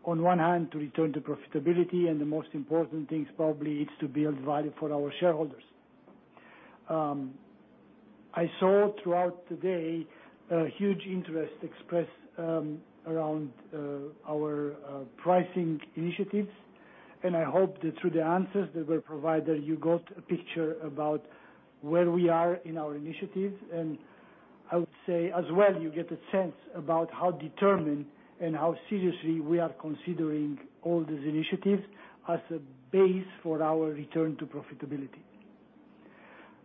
On one hand, to return to profitability, and the most important thing is probably to build value for our shareholders. I saw throughout today a huge interest expressed around our pricing initiatives, and I hope that through the answers that were provided, you got a picture about where we are in our initiatives. I would say as well, you get a sense about how determined and how seriously we are considering all these initiatives as a base for our return to profitability.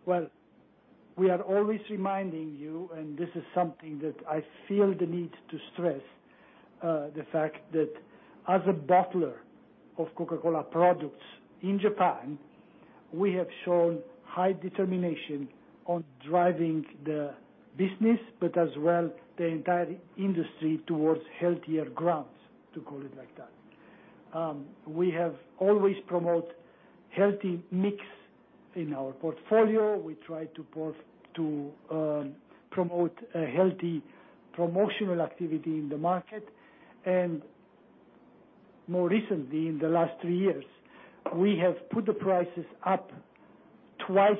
Well, we are always reminding you, and this is something that I feel the need to stress, the fact that as a bottler of Coca-Cola products in Japan, we have shown high determination on driving the business, but as well the entire industry towards healthier grounds, to call it like that. We have always promote healthy mix in our portfolio. We try to promote a healthy promotional activity in the market. More recently, in the last three years, we have put the prices up twice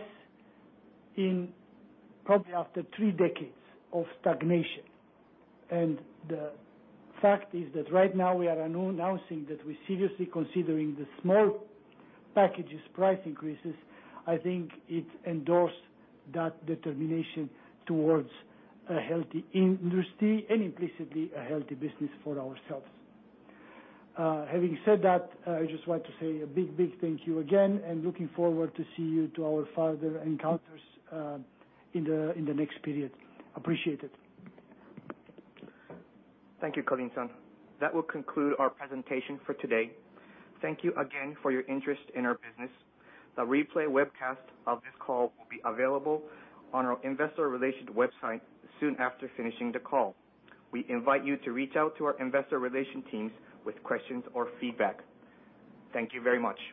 in probably after three decades of stagnation. The fact is that right now we are announcing that we're seriously considering the small packages price increases. I think it endorsed that determination towards a healthy industry and implicitly a healthy business for ourselves. Having said that, I just want to say a big, big thank you again, and looking forward to see you to our further encounters, in the next period. Appreciate it. Thank you, Calin-san. That will conclude our presentation for today. Thank you again for your interest in our business. The replay webcast of this call will be available on our Investor Relations website soon after finishing the call. We invite you to reach out to our Investor Relations teams with questions or feedback. Thank you very much.